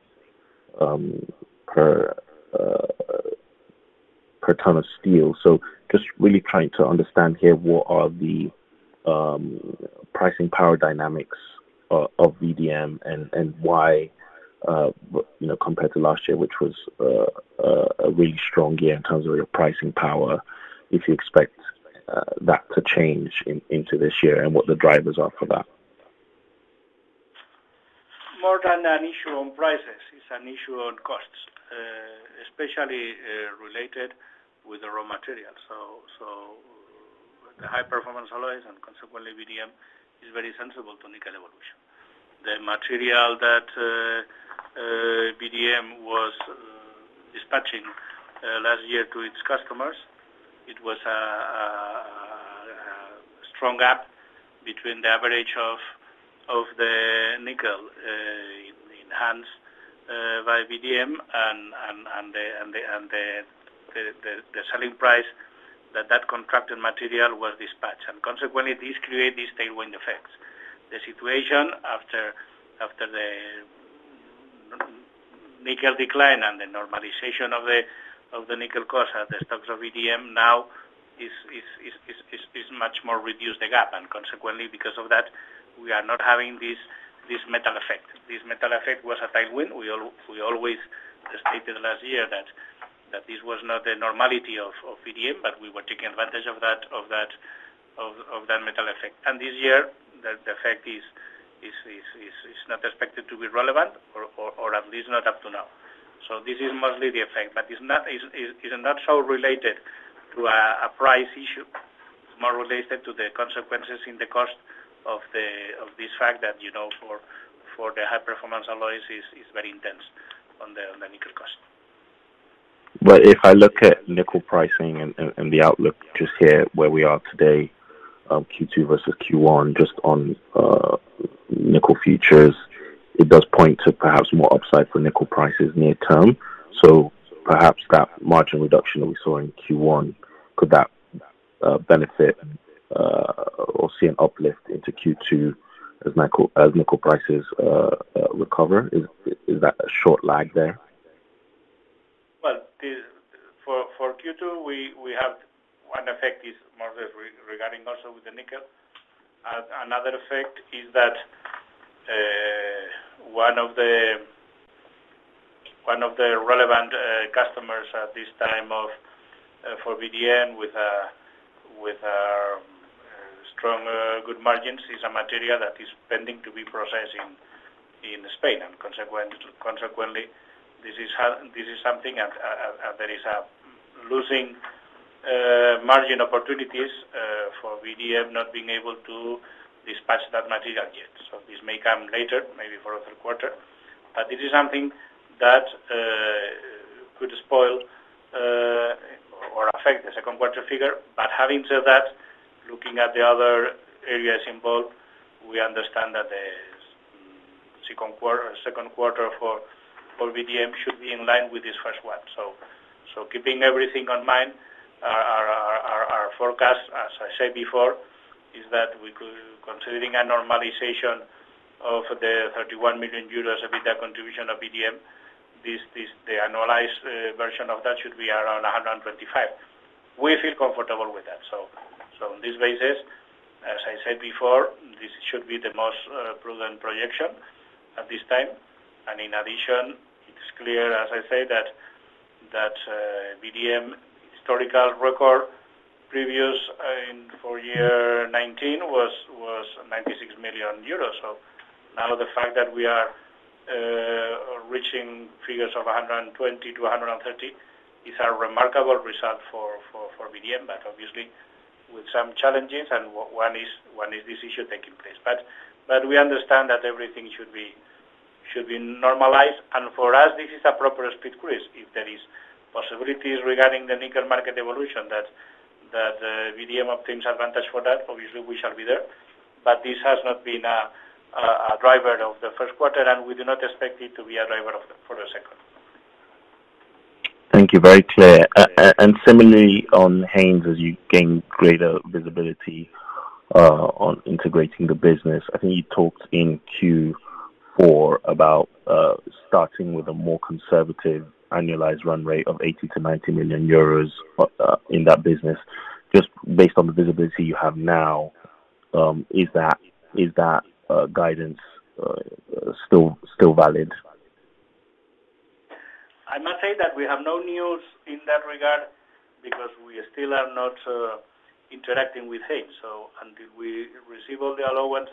per ton of steel. So just really trying to understand here what the pricing power dynamics of VDM are? And why, you know, compared to last year, which was a really strong year in terms of your pricing power, if you expect that to change into this year? And what the drivers are for that? More than an issue on prices, it's an issue on costs, especially related with the raw materials. So the high-performance alloys and consequently, VDM is very sensitive to nickel evolution. The material that VDM was dispatching last year to its customers, it was a strong gap between the average of the nickel in hands by VDM and the selling price that contracted material was dispatched. And consequently, this created these tailwind effects. The situation after the nickel decline and the normalization of the nickel costs at the stocks of VDM now is much more reduced the gap. And consequently, because of that, we are not having this metal effect. This metal effect was a tailwind. We always stated last year that this was not the normality of VDM. But we were taking advantage of that metal effect. And this year, the effect is not expected to be relevant or at least not up to now. So this is mostly the effect. But it's not so related to a price issue. It's more related to the consequences in the cost of this fact that, you know, for the high-performance alloys is very intense on the nickel cost. But if I look at nickel pricing and the outlook just here, where we are today, Q2 versus Q1, just on nickel futures, it does point to perhaps more upside for nickel prices near-term. So perhaps that margin reduction that we saw in Q1 could that benefit or see an uplift into Q2 as nickel prices recover? Is that a short lag there? Well, for Q2, we have one effect is more or less regarding also with the nickel. Another effect is that one of the relevant customers at this time for VDM with strong good margins is a material that is pending to be processed in Spain. And consequently, this is something that there is a losing margin opportunities for VDM not being able to dispatch that material yet. So this may come later, maybe for a third quarter. But this is something that could spoil or affect the second quarter figure. But having said that, looking at the other areas involved, we understand that the second quarter for VDM should be in line with this first one. So keeping everything on mind, our forecast, as I said before, is that we could considering a normalization of the 31 million euros of VDM contribution of VDM, the annualized version of that should be around 125. We feel comfortable with that. So on this basis, as I said before, this should be the most prudent projection at this time. And in addition, it's clear, as I said, that VDM historical record previous in 2019 was 96 million euros. So now the fact that we are reaching figures of 120 million-130 million is a remarkable result for VDM. But obviously, with some challenges. And one is this issue taking place. But we understand that everything should be normalized. And for us, this is a proper speed cruise. If there is possibilities regarding the nickel market evolution, that VDM obtains advantage for that, obviously, we shall be there. But this has not been a driver of the first quarter. And we do not expect it to be a driver for the second. Thank you. Very clear. And similarly, on Haynes, as you gain greater visibility on integrating the business, I think you talked in Q4 about starting with a more conservative annualized run rate of 80 million-90 million euros in that business. Just based on the visibility you have now, is that guidance still valid? I must say that we have no news in that regard because we still are not interacting with Haynes. So until we receive all the approvals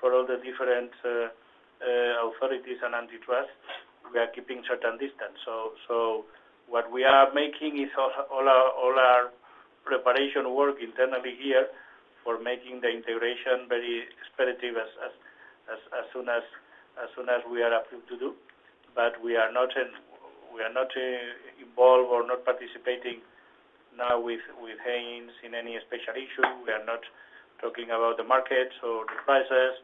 from all the different authorities and antitrust, we are keeping a certain distance. So what we are making is all our preparation work internally here for making the integration very expeditious as soon as we are approved to do. But we are not involved or not participating now with Haynes in any special issue. We are not talking about the markets or the prices.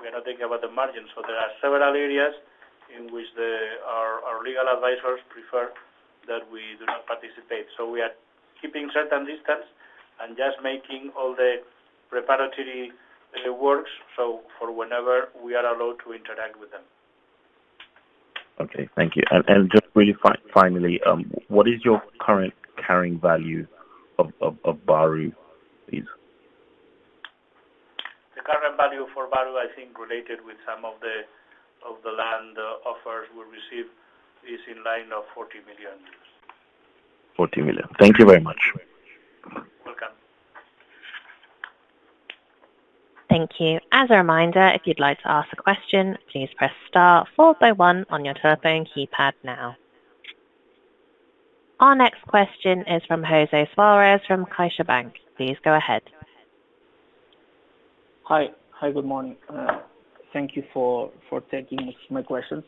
We are not thinking about the margins. So there are several areas in which our legal advisors prefer that we do not participate. So we are keeping certain distance and just making all the preparatory works so for whenever we are allowed to interact with them. Okay. Thank you. And just really finally, what is your current carrying value of Bahru, please? The current value for Bahru, I think, related with some of the land offers we receive, is in line of 40 million euros. 40 million. Thank you very much. Welcome. Thank you. As a reminder, if you'd like to ask a question, please press star followed by one on your telephone keypad now. Our next question is from José Suárez from CaixaBank. Please go ahead. Hi. Good morning. Thank you for taking my questions.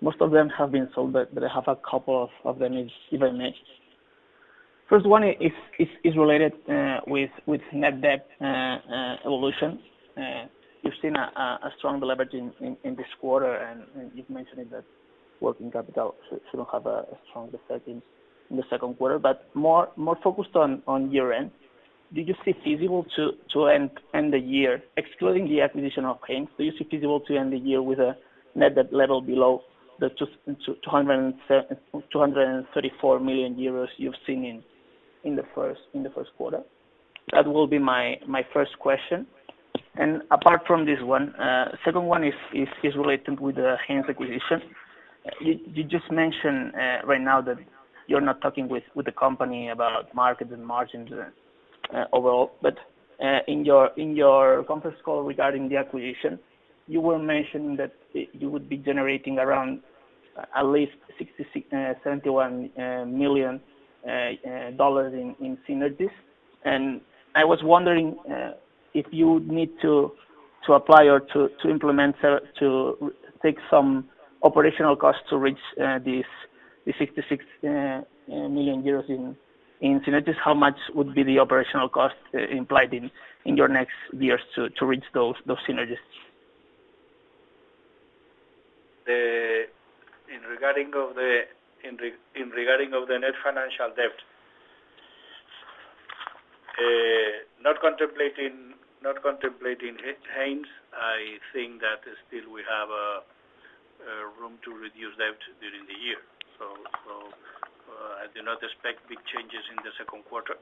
Most of them have been solved, but I have a couple of them, if I may. First one is related with net debt evolution. You've seen a strong leverage in this quarter. And you've mentioned it that working capital shouldn't have a strong effect in the second quarter. But more focused on year-end, do you see feasible to end the year excluding the acquisition of Haynes? Do you see feasible to end the year with a net debt level below 234 million euros you've seen in the first quarter? That will be my first question. And apart from this one, second one is related with the Haynes acquisition. You just mentioned right now that you're not talking with the company about markets and margins and overall. But in your conference call regarding the acquisition, you were mentioning that you would be generating around at least $66 million-$71 million in synergies. And I was wondering if you would need to apply or to implement to take some operational costs to reach this 66 million euros in synergies, how much would be the operational cost implied in your next years to reach those synergies? In regard to the net financial debt, not contemplating Haynes, I think that still we have a room to reduce debt during the year. So, I do not expect big changes in the second quarter.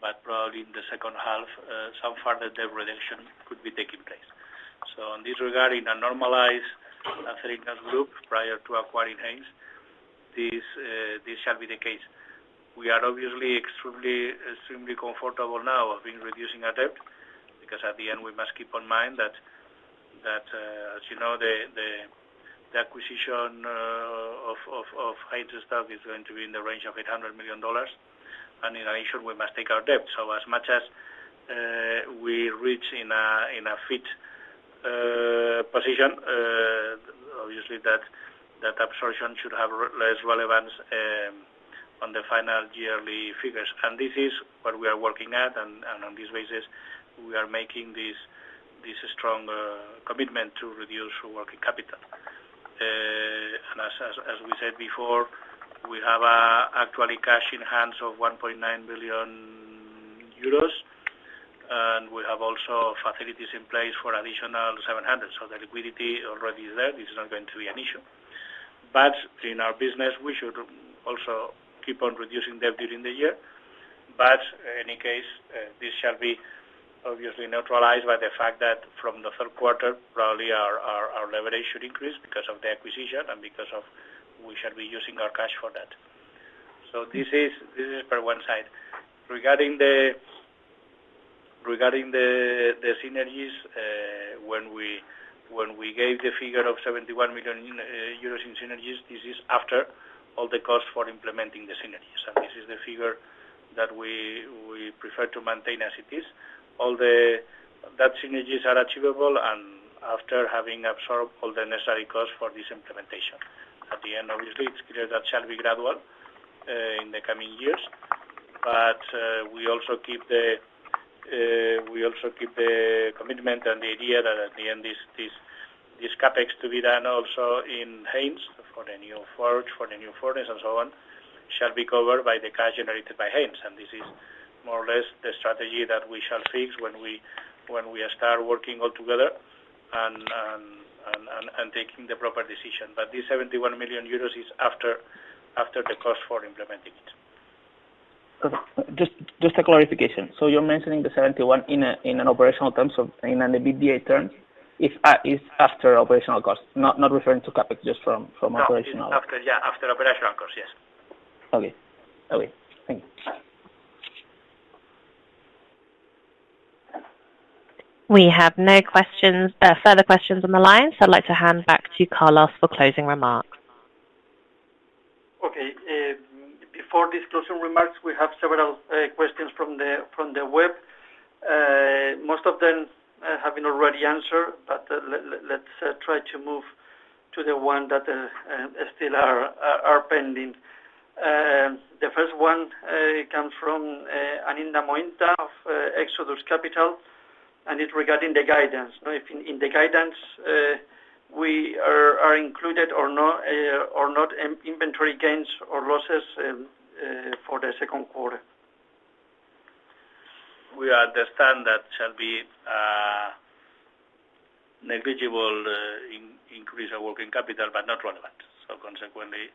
But probably in the second half, some further debt reduction could be taking place. So in this regard, in a normalized Acerinox group prior to acquiring Haynes, this shall be the case. We are obviously extremely comfortable now of being reducing our debt because at the end, we must keep in mind that, as you know, the acquisition of Haynes stock is going to be in the range of $800 million. And in addition, we must take our debt. So as much as we reach in a fit position, obviously, that absorption should have less relevance on the final yearly figures. And this is what we are working at. And on this basis, we are making this strong commitment to reduce working capital. And as we said before, we have actually cash in hands of 1.9 billion euros. And we have also facilities in place for additional 700 million. So the liquidity already is there. It's not going to be an issue. But in our business, we should also keep on reducing debt during the year. But in any case, this shall be obviously neutralized by the fact that from the third quarter, probably our leverage should increase because of the acquisition and because of we shall be using our cash for that. So this is per one side. Regarding the synergies, when we gave the figure of 71 million euros in synergies, this is after all the costs for implementing the synergies. And this is the figure that we prefer to maintain as it is. All the synergies are achievable and after having absorbed all the necessary costs for this implementation. At the end, obviously, it's clear that shall be gradual in the coming years. But we also keep the commitment and the idea that at the end, this CapEx to be done also in Haynes for the new forge for the new forges and so on shall be covered by the cash generated by Haynes. This is more or less the strategy that we shall fix when we start working all together and taking the proper decision. But these 71 million euros is after the costs for implementing it. Just a clarification. So you're mentioning the 71 in an operational terms, in an EBITDA term, i.e. after operational costs, not referring to CapEx, just from operational. Yeah. It's after yeah. After operational costs. Yes. Okay. Okay. Thank you. We have no further questions on the line. So I'd like to hand back to Carlos for closing remarks. Okay. Before these closing remarks, we have several questions from the web. Most of them have been already answered. But let's try to move to the one that still are pending. The first one comes from Anindya Mohinta of Exodus Capital. And it's regarding the guidance, no? If in the guidance, we are included or not inventory gains or losses for the second quarter. We understand that shall be negligible increase of working capital but not relevant. So consequently,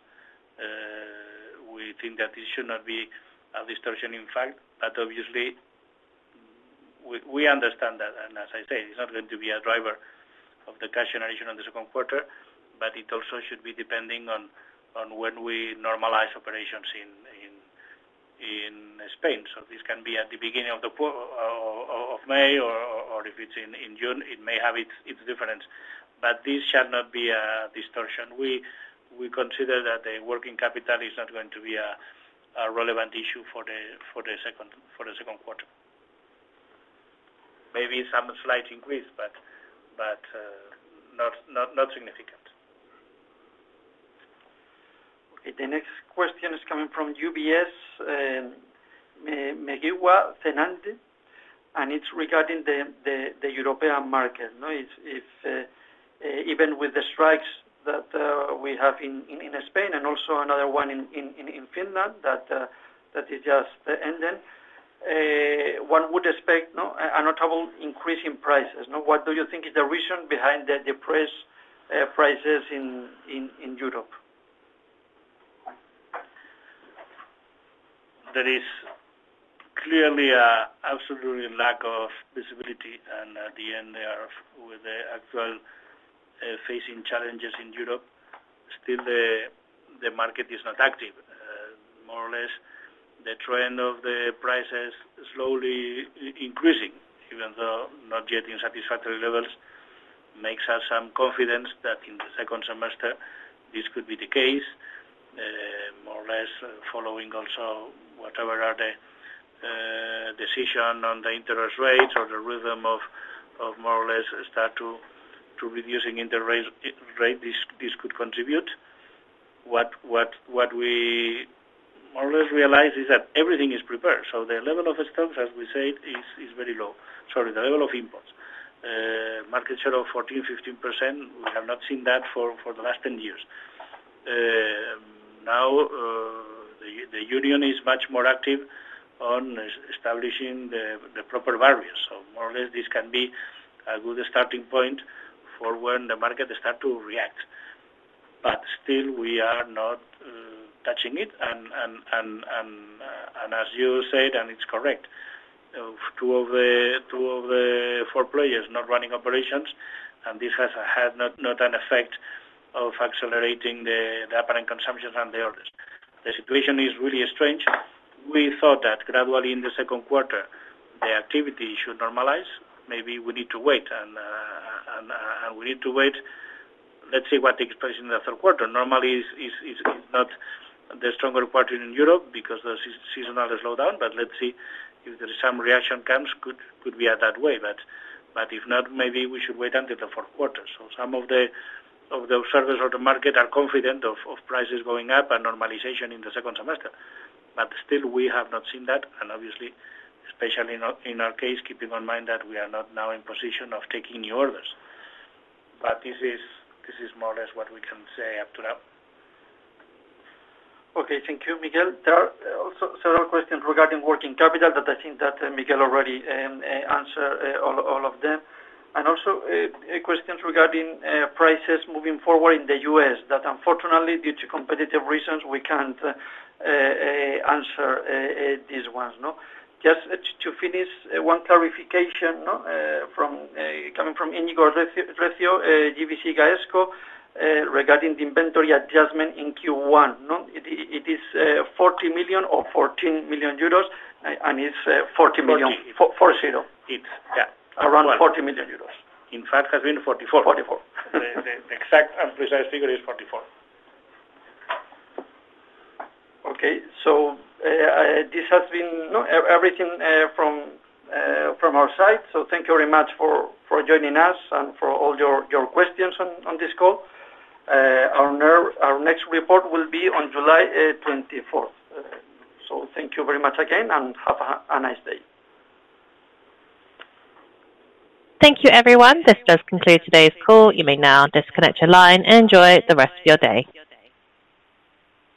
we think that it should not be a distortion in fact. But obviously, we understand that. And as I said, it's not going to be a driver of the cash generation on the second quarter. But it also should be depending on when we normalize operations in Spain. So this can be at the beginning of the quarter or of May or if it's in June, it may have its difference. But this shall not be a distortion. We consider that the working capital is not going to be a relevant issue for the second quarter. Maybe some slight increase. But not significant. Okay. The next question is coming from UBS, Miguel Fernandez. And it's regarding the European market, no? If even with the strikes that we have in Spain and also another one in Finland that is just ending, one would expect, no? A noticeable increase in prices, no? What do you think is the reason behind the prices in Europe? There is clearly an absolute lack of visibility. And at the end, they are actually facing challenges in Europe. Still, the market is not active. More or less, the trend of the prices slowly increasing even though not yet in satisfactory levels makes us some confidence that in the second semester, this could be the case, more or less following also whatever are the decision on the interest rates or the rhythm of more or less start to reducing interest rates, this could contribute. What we more or less realize is that everything is prepared. So the level of stocks, as we said, is very low. Sorry. The level of inputs. Market share of 14%-15%, we have not seen that for the last 10 years. Now, the union is much more active on establishing the proper barriers. So more or less, this can be a good starting point for when the market starts to react. But still, we are not touching it. And as you said, and it's correct, two of the four players not running operations. And this has had not an effect of accelerating the apparent consumptions and the others. The situation is really strange. We thought that gradually in the second quarter, the activity should normalize. Maybe we need to wait. And we need to wait. Let's see what takes place in the third quarter. Normally, it's not the stronger quarter in Europe because the seasonal slowdown. But let's see if there is some reaction comes could be at that way. But if not, maybe we should wait until the fourth quarter. So some of the observers of the market are confident of prices going up and normalization in the second semester. But still, we have not seen that. And obviously, especially in our case, keeping in mind that we are not now in position of taking new orders. But this is more or less what we can say up to now. Okay. Thank you, Miguel. There are also several questions regarding working capital that I think Miguel already answered all of them. And also, questions regarding prices moving forward in the U.S. that unfortunately, due to competitive reasons, we can't answer these ones, no? Just to finish, one clarification, no? from coming from Iñigo Recio, GVC Gaesco, regarding the inventory adjustment in Q1, no? It is 40 million or 14 million euros? And it's 40 million. 40. 40. It's, yeah. Around 40 million euros. In fact, has been 44. 44. The exact and precise figure is 44 million. Okay. So this has been, no? Everything from our side. So thank you very much for joining us and for all your questions on this call. Our next report will be on July 8, 2024. So thank you very much again. Have a nice day. Thank you, everyone. This does conclude today's call. You may now disconnect your line and enjoy the rest of your day.